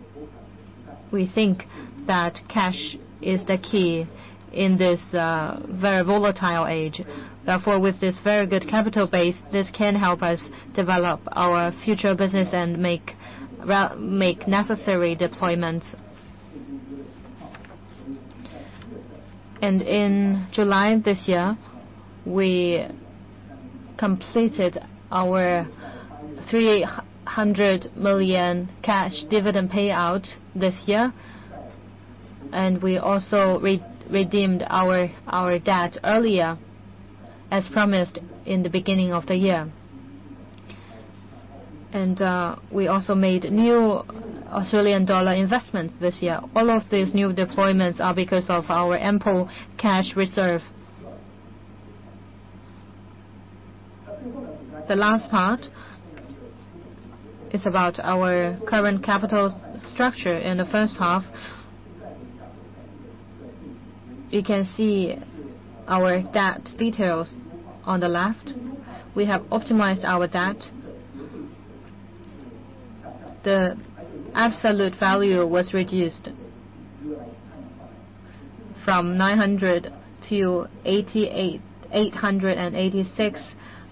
We think that cash is the key in this very volatile age. With this very good capital base, this can help us develop our future business and make necessary deployments. In July of this year, we completed our 300 million cash dividend payout this year. We also redeemed our debt earlier as promised in the beginning of the year. We also made new Australian dollar investments this year. All of these new deployments are because of our ample cash reserve. The last part is about our current capital structure in the first half. You can see our debt details on the left. We have optimized our debt. The absolute value was reduced from 900 million to 886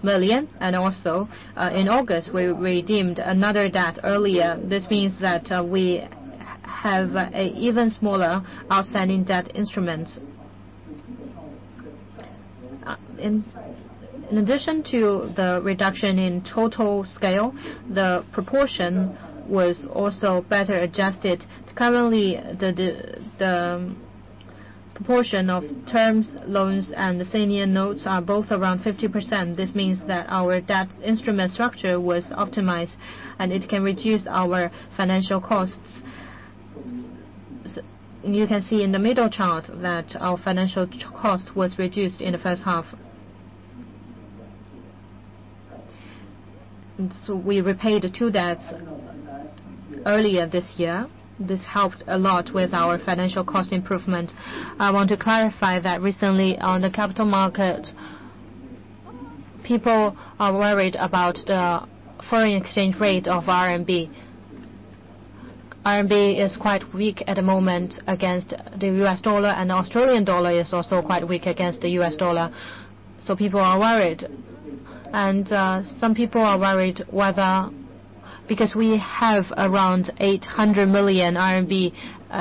million, and also, in August, we redeemed another debt earlier. This means that we have an even smaller outstanding debt instrument. In addition to the reduction in total scale, the proportion was also better adjusted. Currently, the proportion of term loans and the senior notes are both around 50%. This means that our debt instrument structure was optimized, it can reduce our financial costs. You can see in the middle chart that our financial cost was reduced in the first half. We repaid the two debts earlier this year. This helped a lot with our financial cost improvement. I want to clarify that recently on the capital market, people are worried about the foreign exchange rate of RMB. RMB is quite weak at the moment against the US dollar, Australian dollar is also quite weak against the US dollar, people are worried. Some people are worried because we have around 800 million RMB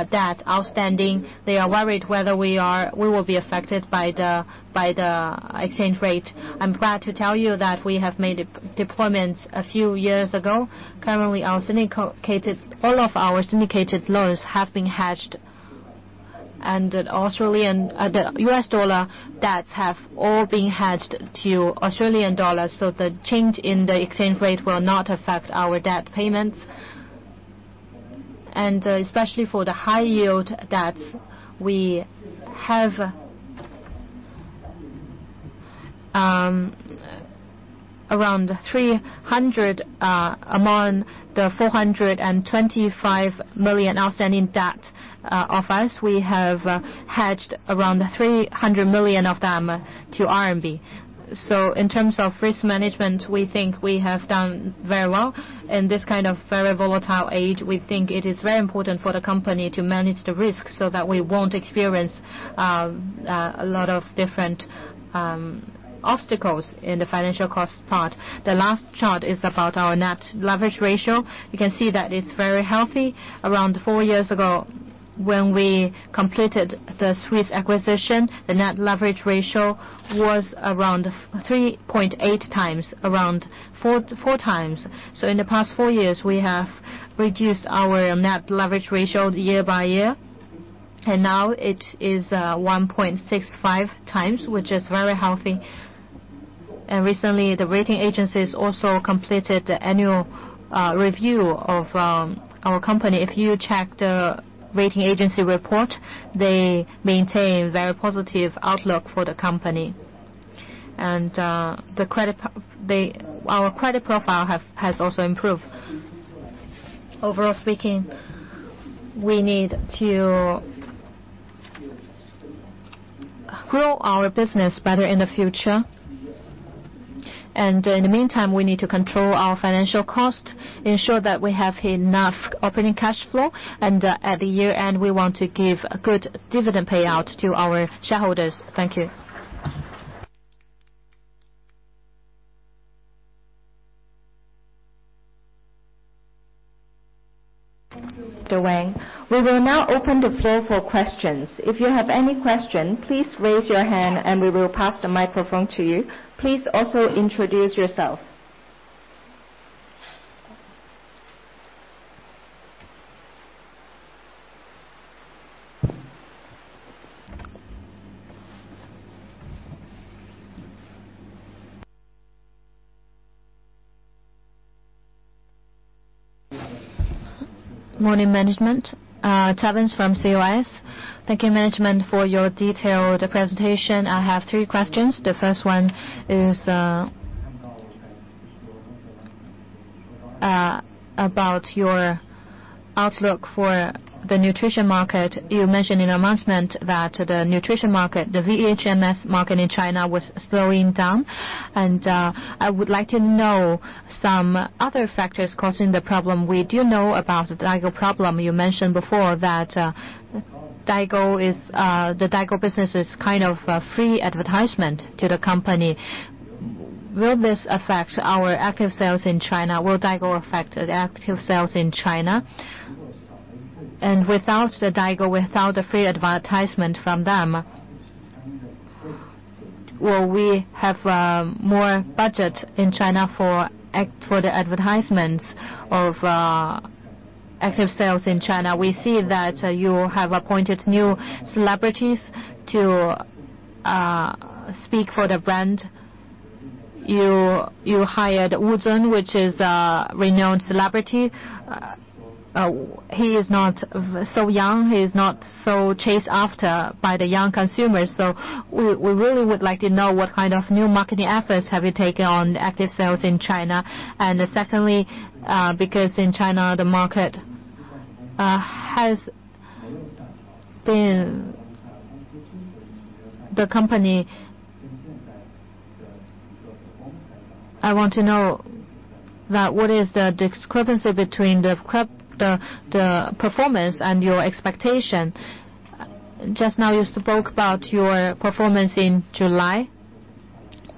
debt outstanding. They are worried whether we will be affected by the exchange rate. I'm glad to tell you that we have made deployments a few years ago. Currently, all of our syndicated loans have been hedged, the USD debts have all been hedged to AUD, so the change in the exchange rate will not affect our debt payments. Especially for the high-yield debts, we have around 300 million among the 425 million outstanding debt of us. We have hedged around 300 million of them to RMB. In terms of risk management, we think we have done very well. In this kind of very volatile age, we think it is very important for the company to manage the risk so that we won't experience a lot of different obstacles in the financial cost part. The last chart is about our net leverage ratio. You can see that it's very healthy. Around four years ago, when we completed the Swisse acquisition, the net leverage ratio was around 3.8 times, around four times. In the past four years, we have reduced our net leverage ratio year by year, and now it is 1.65 times, which is very healthy. Recently, the rating agencies also completed the annual review of our company. If you check the rating agency report, they maintain a very positive outlook for the company. Our credit profile has also improved. Overall speaking, we need to grow our business better in the future. In the meantime, we need to control our financial cost, ensure that we have enough operating cash flow, and at the year-end, we want to give good dividend payout to our shareholders. Thank you. Thank you, Mr. Wang. We will now open the floor for questions. If you have any questions, please raise your hand and we will pass the microphone to you. Please also introduce yourself. Morning management. Stavins from CUS. Thank you, management, for your detailed presentation. I have three questions. The first one is about your outlook for the nutrition market. You mentioned in announcement that the nutrition market, the VHMS market in China was slowing down. I would like to know some other factors causing the problem. We do know about the Daigou problem. You mentioned before that the Daigou business is kind of a free advertisement to the company. Will this affect our active sales in China? Will Daigou affect the active sales in China? Without the Daigou, without the free advertisement from them, Well, we have more budget in China for the advertisements of active sales in China. We see that you have appointed new celebrities to speak for the brand. You hired Wu Zhen, which is a renowned celebrity. He is not so young, he is not so chased after by the young consumers. We really would like to know what kind of new marketing efforts have you taken on active sales in China? Secondly, because in China the market has been, I want to know what is the discrepancy between the performance and your expectation. Just now you spoke about your performance in July.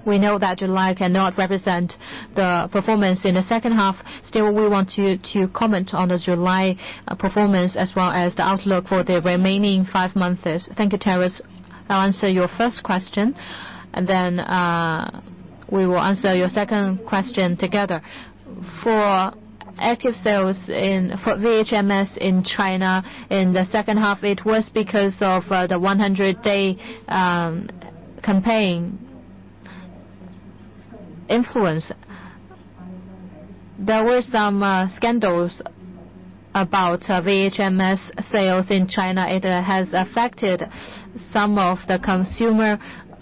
We know that July cannot represent the performance in the second half. We want you to comment on the July performance, as well as the outlook for the remaining five months. Thank you, Terrence. I'll answer your first question, and then we will answer your second question together. For active sales, for VHMS in China in the second half, it was because of the 100-day campaign influence. There were some scandals about VHMS sales in China. It has affected some of the consumer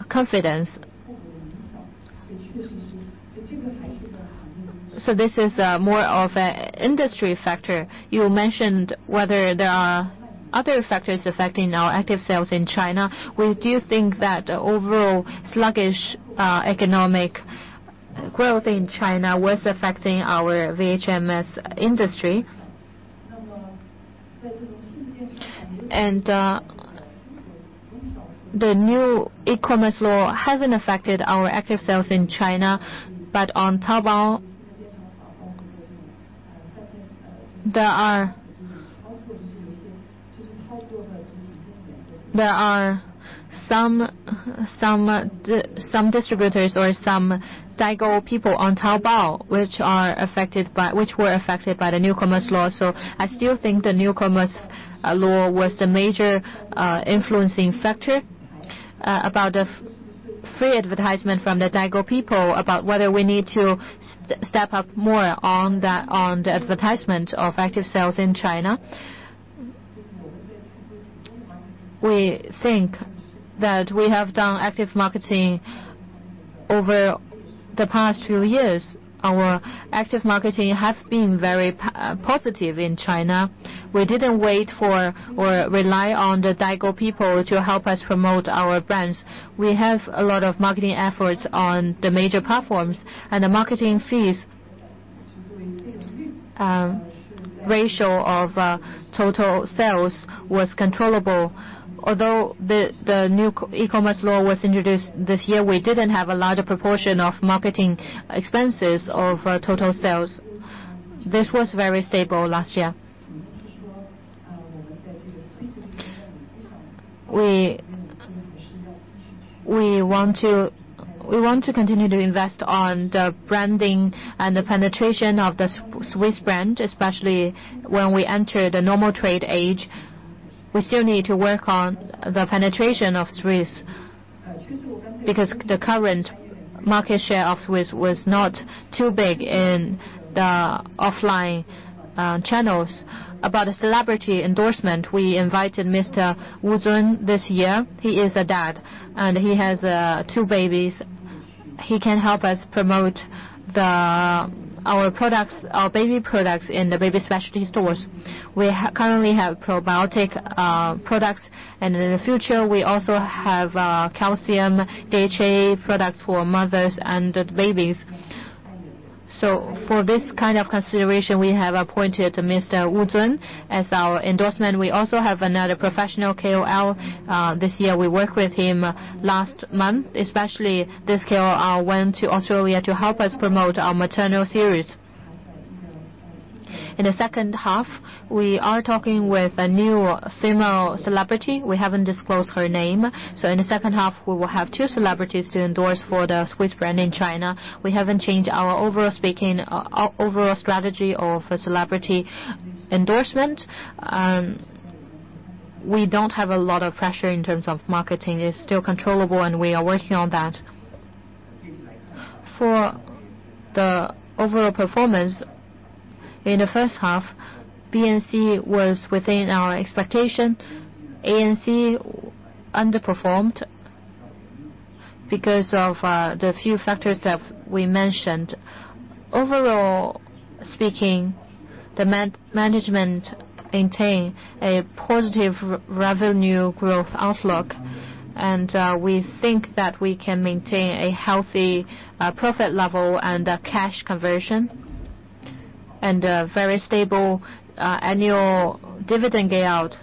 confidence. This is more of an industry factor. You mentioned whether there are other factors affecting our active sales in China. We do think that the overall sluggish economic growth in China was affecting our VHMS industry. The new e-commerce law hasn't affected our active sales in China. On Taobao, there are some distributors or some Daigou people on Taobao, which were affected by the new e-commerce law. I still think the new e-commerce law was the major influencing factor. About the free advertisement from the Daigou people, about whether we need to step up more on the advertisement of active sales in China. We think that we have done active marketing over the past few years. Our active marketing has been very positive in China. We didn't wait for or rely on the Daigou to help us promote our brands. We have a lot of marketing efforts on the major platforms, and the marketing fees ratio of total sales was controllable. Although the new e-commerce law was introduced this year, we didn't have a larger proportion of marketing expenses of total sales. This was very stable last year. We want to continue to invest on the branding and the penetration of the Swisse brand, especially when we enter the normal trade age. We still need to work on the penetration of Swisse, because the current market share of Swisse was not too big in the offline channels. About a celebrity endorsement, we invited Mr. Wu Zhen this year. He is a dad, and he has two babies. He can help us promote our baby products in the baby specialty stores. We currently have probiotic products, and in the future, we also have calcium DHA products for mothers and babies. For this kind of consideration, we have appointed Mr. Wu Zhen as our endorsement. We also have another professional KOL this year. We worked with him last month, especially this KOL went to Australia to help us promote our maternal series. In the second half, we are talking with a new female celebrity. We haven't disclosed her name. In the second half, we will have two celebrities to endorse for the Swisse brand in China. We haven't changed our overall strategy of celebrity endorsement. We don't have a lot of pressure in terms of marketing, it's still controllable and we are working on that. For the overall performance in the first half, BNC was within our expectation. ANC underperformed because of the few factors that we mentioned. Overall speaking, the management maintained a positive revenue growth outlook, and we think that we can maintain a healthy profit level and a cash conversion, and a very stable annual dividend payout.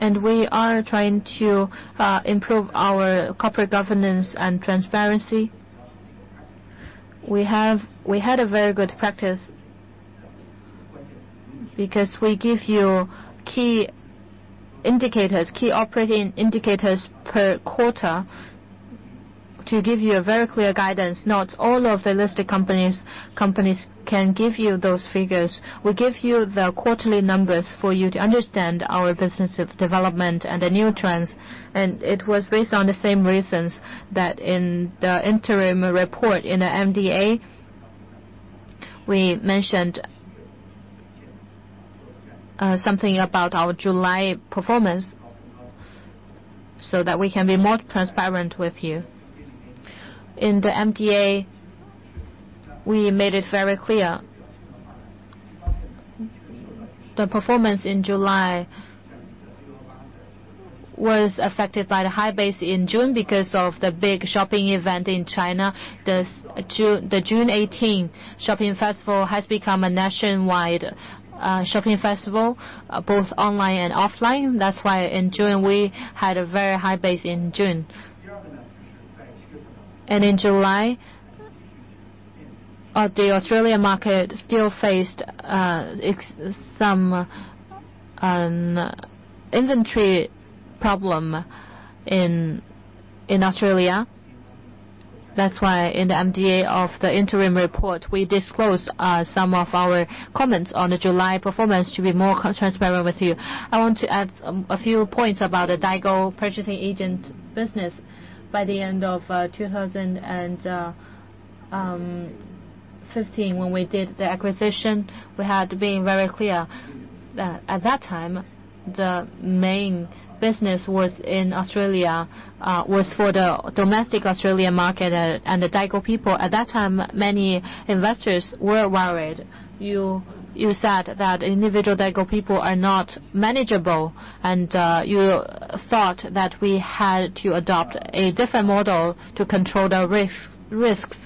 We are trying to improve our corporate governance and transparency. We had a very good practice because we give you key operating indicators per quarter to give you a very clear guidance. Not all of the listed companies can give you those figures. We give you the quarterly numbers for you to understand our business of development and the new trends. It was based on the same reasons that in the interim report in the MDA, we mentioned something about our July performance so that we can be more transparent with you. In the MDA, we made it very clear. The performance in July was affected by the high base in June because of the big shopping event in China. The June 18 shopping festival has become a nationwide shopping festival, both online and offline. We had a very high base in June. In July, the Australia market still faced some inventory problem in Australia. In the MDA of the interim report, we disclosed some of our comments on the July performance to be more transparent with you. I want to add a few points about the Daigou purchasing agent business. By the end of 2015, when we did the acquisition, we had been very clear. At that time, the main business was in Australia, was for the domestic Australian market and the Daigou people. At that time, many investors were worried. You said that individual Daigou people are not manageable, and you thought that we had to adopt a different model to control the risks.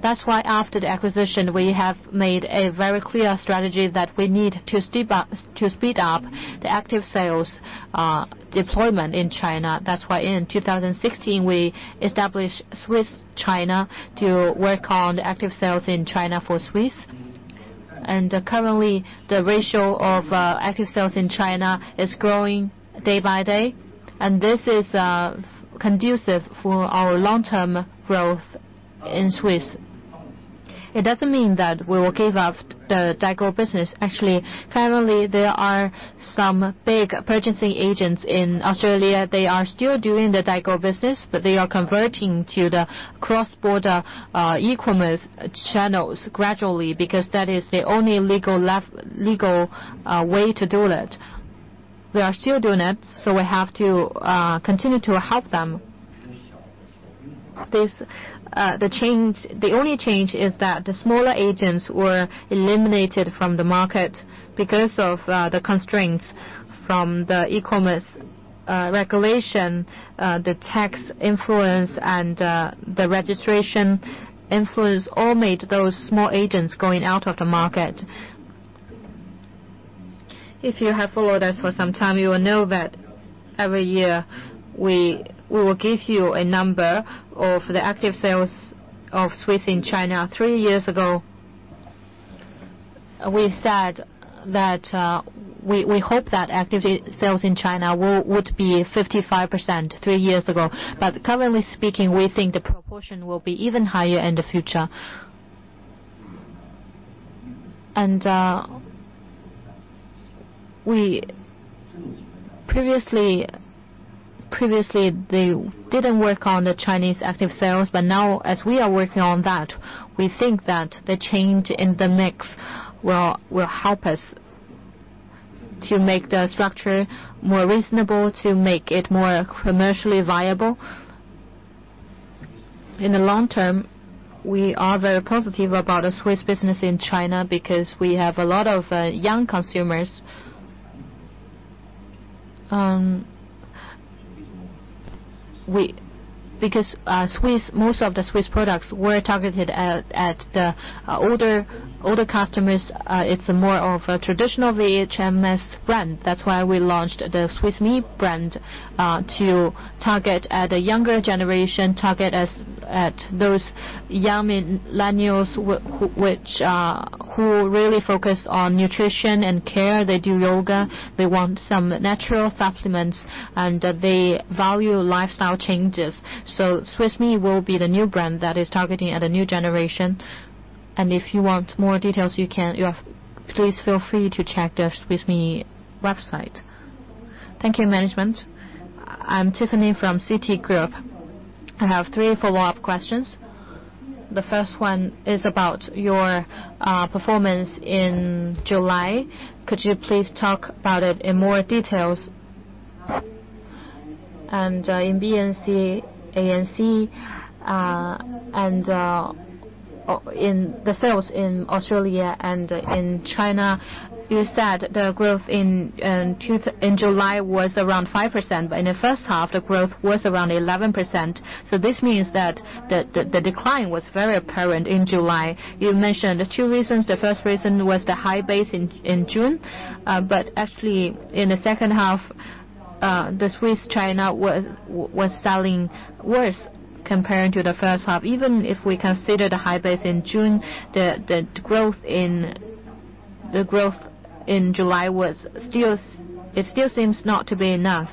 That's why after the acquisition, we have made a very clear strategy that we need to speed up the active sales deployment in China. That's why in 2016, we established Swisse China to work on the active sales in China for Swisse. Currently, the ratio of active sales in China is growing day by day, and this is conducive for our long-term growth in Swisse. It doesn't mean that we will give up the Daigou business. Actually, currently, there are some big purchasing agents in Australia. They are still doing the Daigou business, but they are converting to the cross-border e-commerce channels gradually because that is the only legal way to do it. They are still doing it, so we have to continue to help them. The only change is that the smaller agents were eliminated from the market because of the constraints from the e-commerce law. The tax influence and the registration influence all made those small agents going out of the market. If you have followed us for some time, you will know that every year we will give you a number of the active sales of Swisse in China. Three years ago, we said that we hope that active sales in China would be 55% three years ago. Currently speaking, we think the proportion will be even higher in the future. We previously did not work on the Chinese active sales, but now as we are working on that, we think that the change in the mix will help us to make the structure more reasonable, to make it more commercially viable. In the long term, we are very positive about the Swisse business in China because we have a lot of young consumers. Most of the Swisse products were targeted at the older customers. It's more of a traditional VHMS brand. That's why we launched the Swisse Me brand, to target the younger generation, target those young millennials who really focus on nutrition and care. They do yoga. They want some natural supplements, and they value lifestyle changes. Swisse Me will be the new brand that is targeting the new generation. If you want more details, please feel free to check the swisseme website. Thank you, management. I'm Tiffany from Citi Group. I have three follow-up questions. The first one is about your performance in July. Could you please talk about it in more details? In BNC, ANC, and the sales in Australia and in China, you said the growth in July was around 5%, but in the first half, the growth was around 11%. This means that the decline was very apparent in July. You mentioned the two reasons. The first reason was the high base in June. Actually, in the second half, Swisse China was selling worse comparing to the first half. Even if we consider the high base in June, the growth in July, it still seems not to be enough.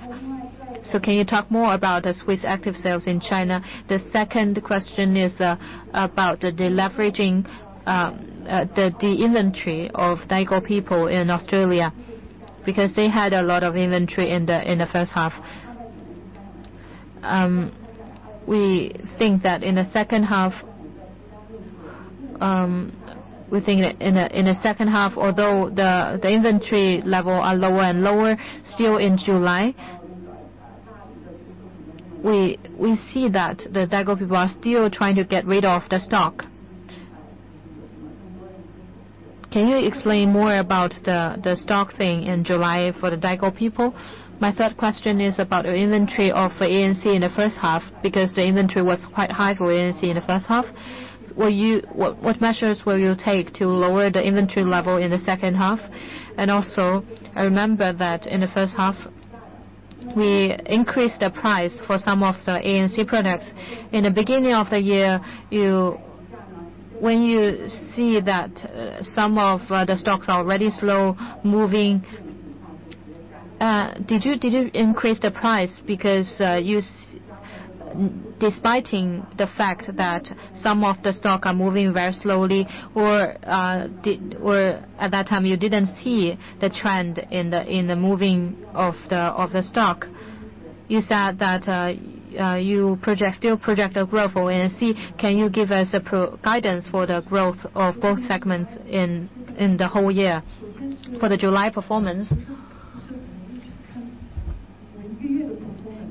Can you talk more about the Swisse active sales in China? The second question is about the deleveraging, the inventory of Daigou people in Australia, because they had a lot of inventory in the first half. We think that in the second half, although the inventory level are lower and lower, still in July, we see that the Daigou people are still trying to get rid of the stock. Can you explain more about the stock thing in July for the Daigou people? My third question is about your inventory of ANC in the first half, because the inventory was quite high for ANC in the first half. What measures will you take to lower the inventory level in the second half? I remember that in the first half, we increased the price for some of the ANC products. In the beginning of the year, when you see that some of the stocks are already slow moving, did you increase the price because despite the fact that some of the stock are moving very slowly? At that time you didn't see the trend in the moving of the stock? You said that you still project a growth for ANC. Can you give us a guidance for the growth of both segments in the whole year? For the July performance,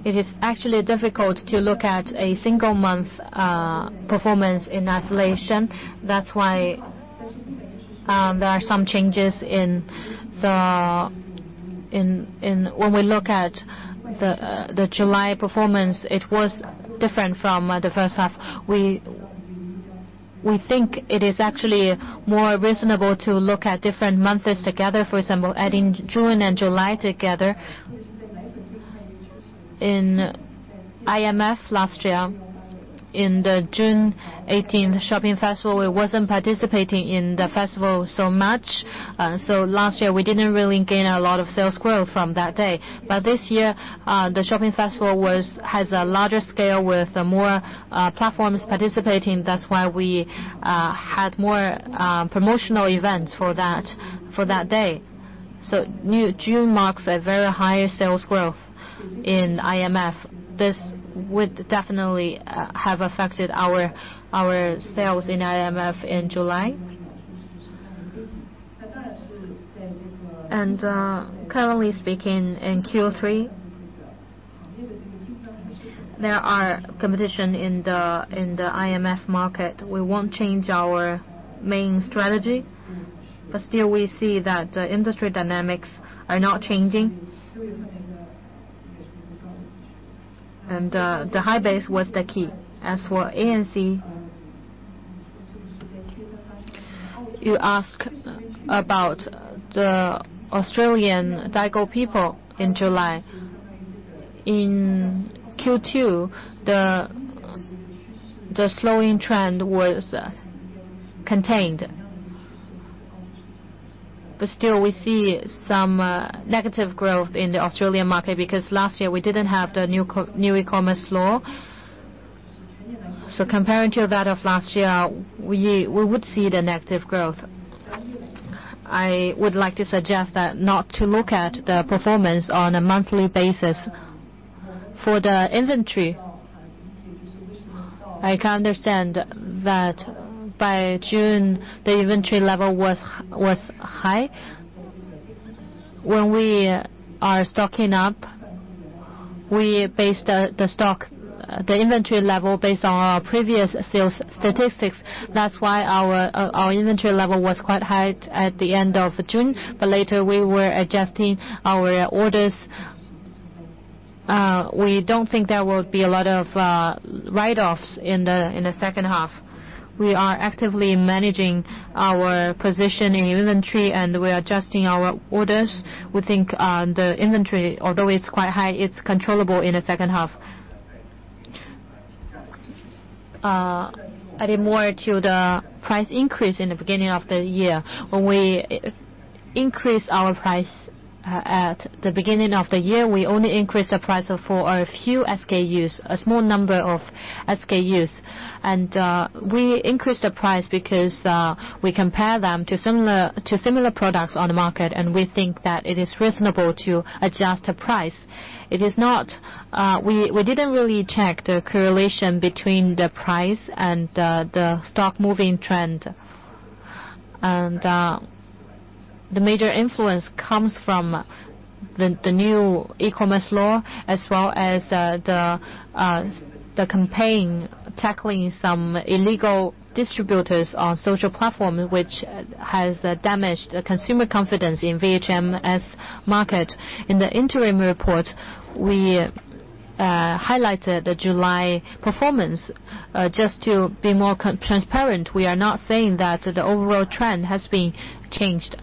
it is actually difficult to look at a single month performance in isolation. That's why there are some changes. When we look at the July performance, it was different from the first half. We think it is actually more reasonable to look at different months together. For example, adding June and July together. In IMF last year, in the June 18th Shopping Festival, we wasn't participating in the festival so much. Last year, we didn't really gain a lot of sales growth from that day. This year, the Shopping Festival has a larger scale with more platforms participating. That's why we had more promotional events for that day. June marks a very high sales growth in IMF. This would definitely have affected our sales in IMF in July. Currently speaking, in Q3, there are competition in the IMF market. We won't change our main strategy, but still we see that the industry dynamics are not changing. The high base was the key. As for ANC, you ask about the Australian Daigou people in July. In Q2, the slowing trend was contained. Still, we see some negative growth in the Australian market, because last year we didn't have the new e-commerce law. Comparing to that of last year, we would see the negative growth. I would like to suggest that not to look at the performance on a monthly basis. For the inventory, I can understand that by June, the inventory level was high. When we are stocking up, we base the inventory level based on our previous sales statistics. That's why our inventory level was quite high at the end of June. Later, we were adjusting our orders. We don't think there will be a lot of write-offs in the second half. We are actively managing our position in inventory, and we are adjusting our orders. We think the inventory, although it's quite high, it's controllable in the second half. Adding more to the price increase in the beginning of the year. When we increased our price at the beginning of the year, we only increased the price for a few SKUs, a small number of SKUs. We increased the price because we compare them to similar products on the market, and we think that it is reasonable to adjust the price. We didn't really check the correlation between the price and the stock moving trend. The major influence comes from the new e-commerce law, as well as the campaign tackling some illegal distributors on social platform, which has damaged the consumer confidence in VHMS market. In the interim report, we highlighted the July performance. Just to be more transparent, we are not saying that the overall trend has been changed.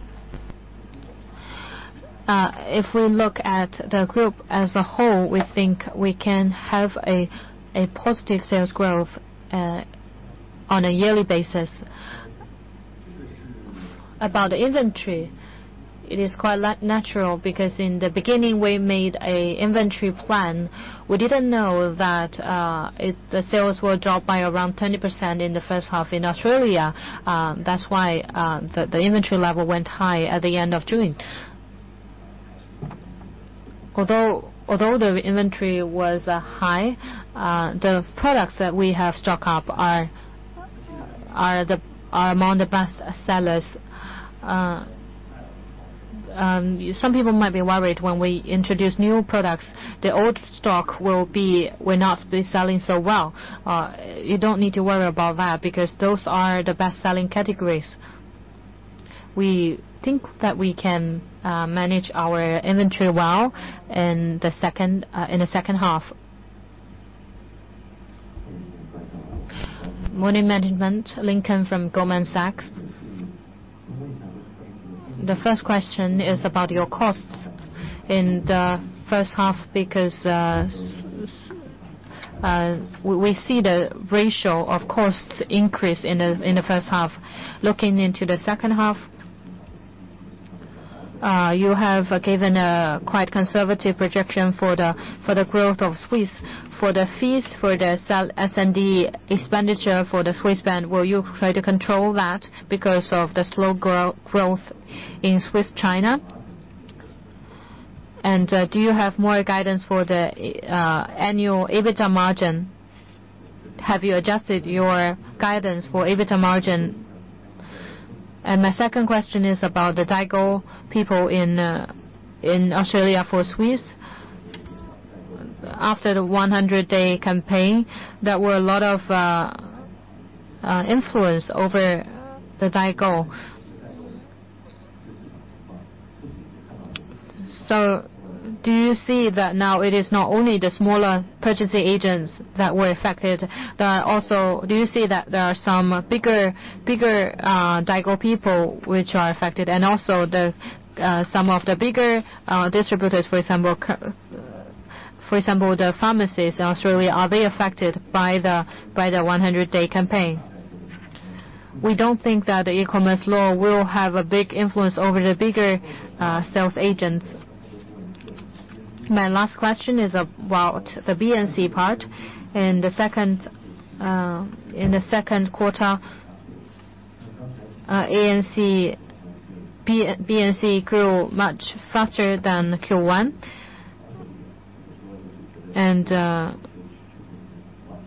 If we look at the group as a whole, we think we can have a positive sales growth on a yearly basis. About inventory, it is quite natural because in the beginning, we made an inventory plan. We didn't know that the sales will drop by around 20% in the first half in Australia. The inventory level went high at the end of June. The inventory was high, the products that we have stock up are among the best sellers. Some people might be worried when we introduce new products, the old stock will not be selling so well. You don't need to worry about that because those are the best-selling categories. We think that we can manage our inventory well in the second half. Money management, Lincoln from Goldman Sachs. The first question is about your costs in the first half, because we see the ratio of costs increase in the first half. Looking into the second half, you have given a quite conservative projection for the growth of Swisse. For the S&D expenditure for the Swisse brand, will you try to control that because of the slow growth in Swisse China? Do you have more guidance for the annual EBITDA margin? Have you adjusted your guidance for EBITDA margin? My second question is about the Daigou people in Australia for Swisse. After the 100-day campaign, there were a lot of influence over the Daigou. Do you see that now it is not only the smaller purchasing agents that were affected? Do you see that there are some bigger Daigou people which are affected, and also some of the bigger distributors, for example, the pharmacies in Australia, are they affected by the 100-day campaign? We don't think that the e-commerce law will have a big influence over the bigger sales agents. My last question is about the BNC part. In the second quarter, BNC grew much faster than Q1.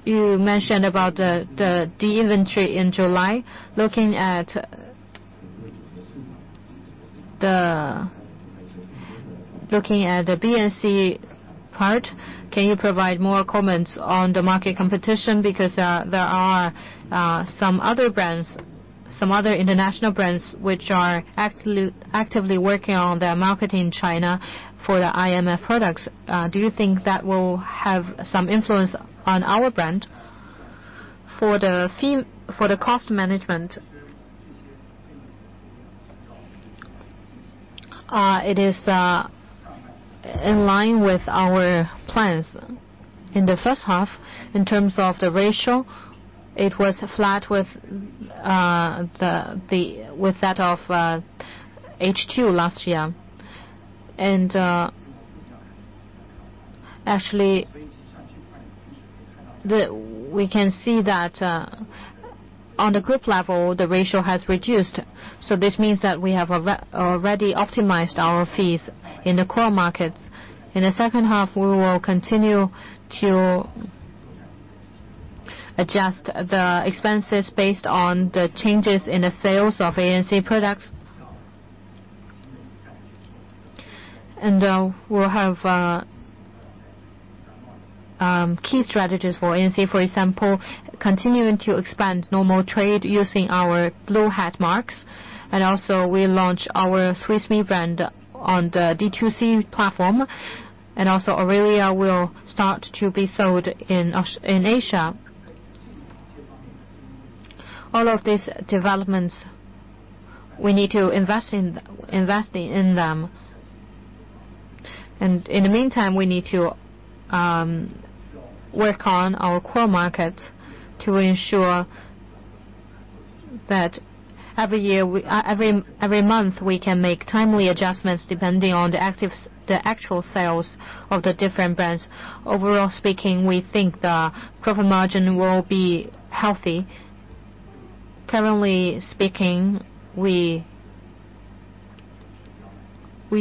You mentioned about the de-inventory in July. Looking at the BNC part, can you provide more comments on the market competition? Because there are some other international brands which are actively working on their market in China for the IMF products. Do you think that will have some influence on our brand? For the cost management, it is in line with our plans. In the first half, in terms of the ratio, it was flat with that of H2 last year. Actually, we can see that on the group level, the ratio has reduced. This means that we have already optimized our fees in the core markets. In the second half, we will continue to adjust the expenses based on the changes in the sales of ANC products. We'll have key strategies for ANC. For example, continuing to expand normal trade using our Blue Hat marks. Also, we'll launch our Swisse Me brand on the D2C platform. Also, Aurelia will start to be sold in Asia. All of these developments, we need to invest in them. In the meantime, we need to work on our core markets to ensure that every month, we can make timely adjustments depending on the actual sales of the different brands. Overall speaking, we think the profit margin will be healthy. Currently speaking, we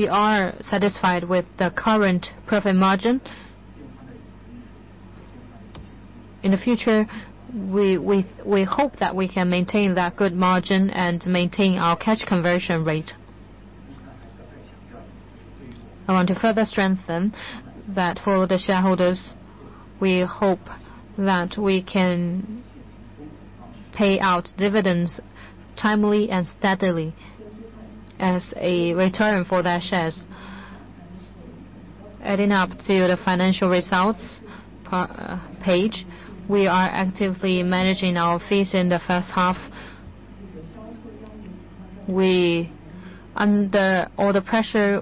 are satisfied with the current profit margin. In the future, we hope that we can maintain that good margin and maintain our cash conversion rate. I want to further strengthen that for the shareholders, we hope that we can pay out dividends timely and steadily as a return for their shares. Adding up to the financial results page, we are actively managing our fees in the first half. Under all the pressure,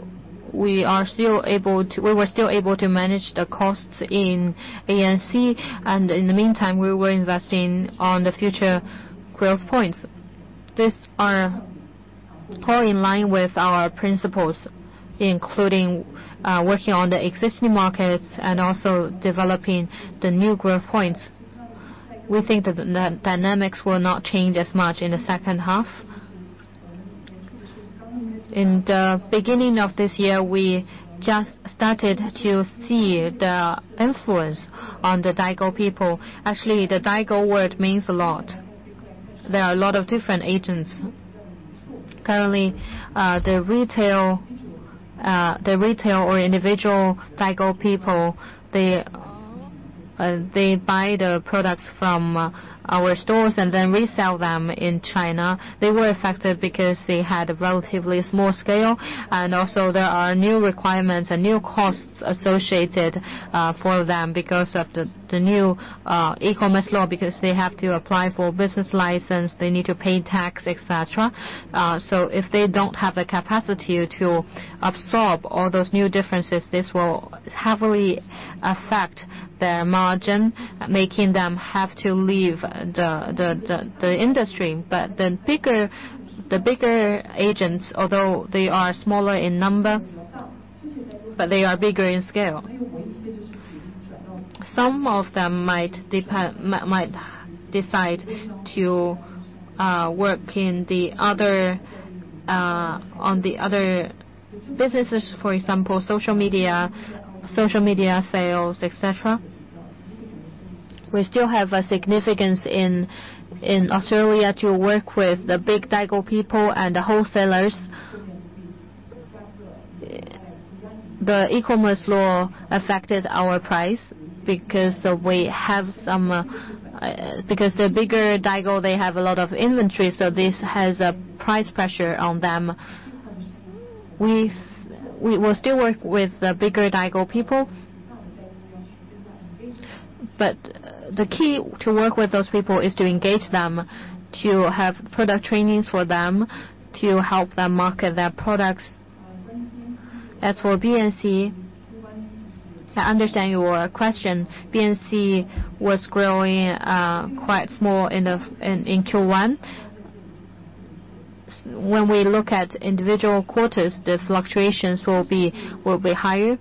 we were still able to manage the costs in ANC and in the meantime, we were investing on the future growth points. These are all in line with our principles, including working on the existing markets and also developing the new growth points. We think the dynamics will not change as much in the second half. In the beginning of this year, we just started to see the influence on the Daigou people. Actually, the Daigou word means a lot. There are a lot of different agents. Currently, the retail or individual Daigou people, they buy the products from our stores and then resell them in China. They were affected because they had a relatively small scale and also there are new requirements and new costs associated for them because of the new e-commerce law, because they have to apply for business license, they need to pay tax, et cetera. If they don't have the capacity to absorb all those new differences, this will heavily affect their margin, making them have to leave the industry. The bigger agents, although they are smaller in number, but they are bigger in scale. Some of them might decide to work on the other businesses, for example, social media, social media sales, et cetera. We still have a significance in Australia to work with the big Daigou people and the wholesalers. The e-commerce law affected our price because the bigger Daigou, they have a lot of inventory, so this has a price pressure on them. We will still work with the bigger Daigou people, but the key to work with those people is to engage them, to have product trainings for them, to help them market their products. As for BNC, I understand your question. BNC was growing quite small in Q1. When we look at individual quarters, the fluctuations will be higher.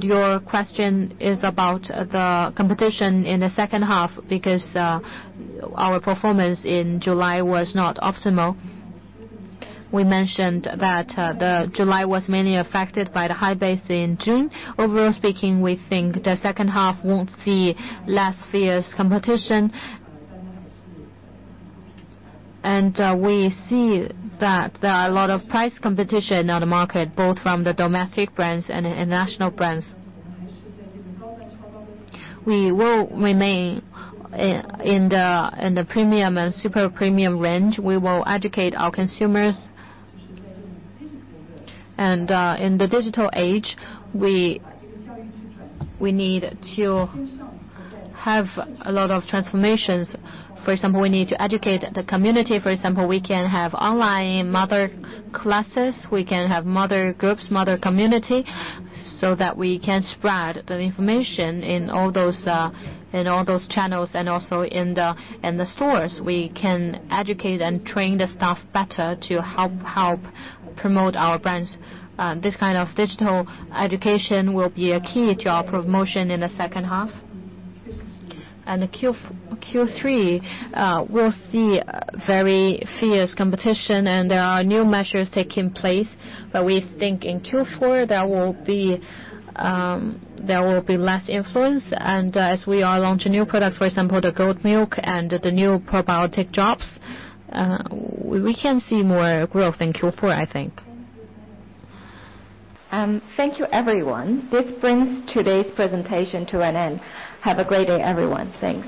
Your question is about the competition in the second half because our performance in July was not optimal. We mentioned that July was mainly affected by the high base in June. Overall speaking, we think the second half won't see less fierce competition. We see that there are a lot of price competition on the market, both from the domestic brands and international brands. We will remain in the premium and super premium range. We will educate our consumers. In the digital age, we need to have a lot of transformations. For example, we need to educate the community. For example, we can have online mother classes, we can have mother groups, mother community, so that we can spread the information in all those channels and also in the stores. We can educate and train the staff better to help promote our brands. This kind of digital education will be a key to our promotion in the second half. Q3 will see very fierce competition, and there are new measures taking place. We think in Q4 there will be less influence. As we are launching new products, for example, the goat milk and the new probiotic drops, we can see more growth in Q4, I think. Thank you, everyone. This brings today's presentation to an end. Have a great day, everyone. Thanks.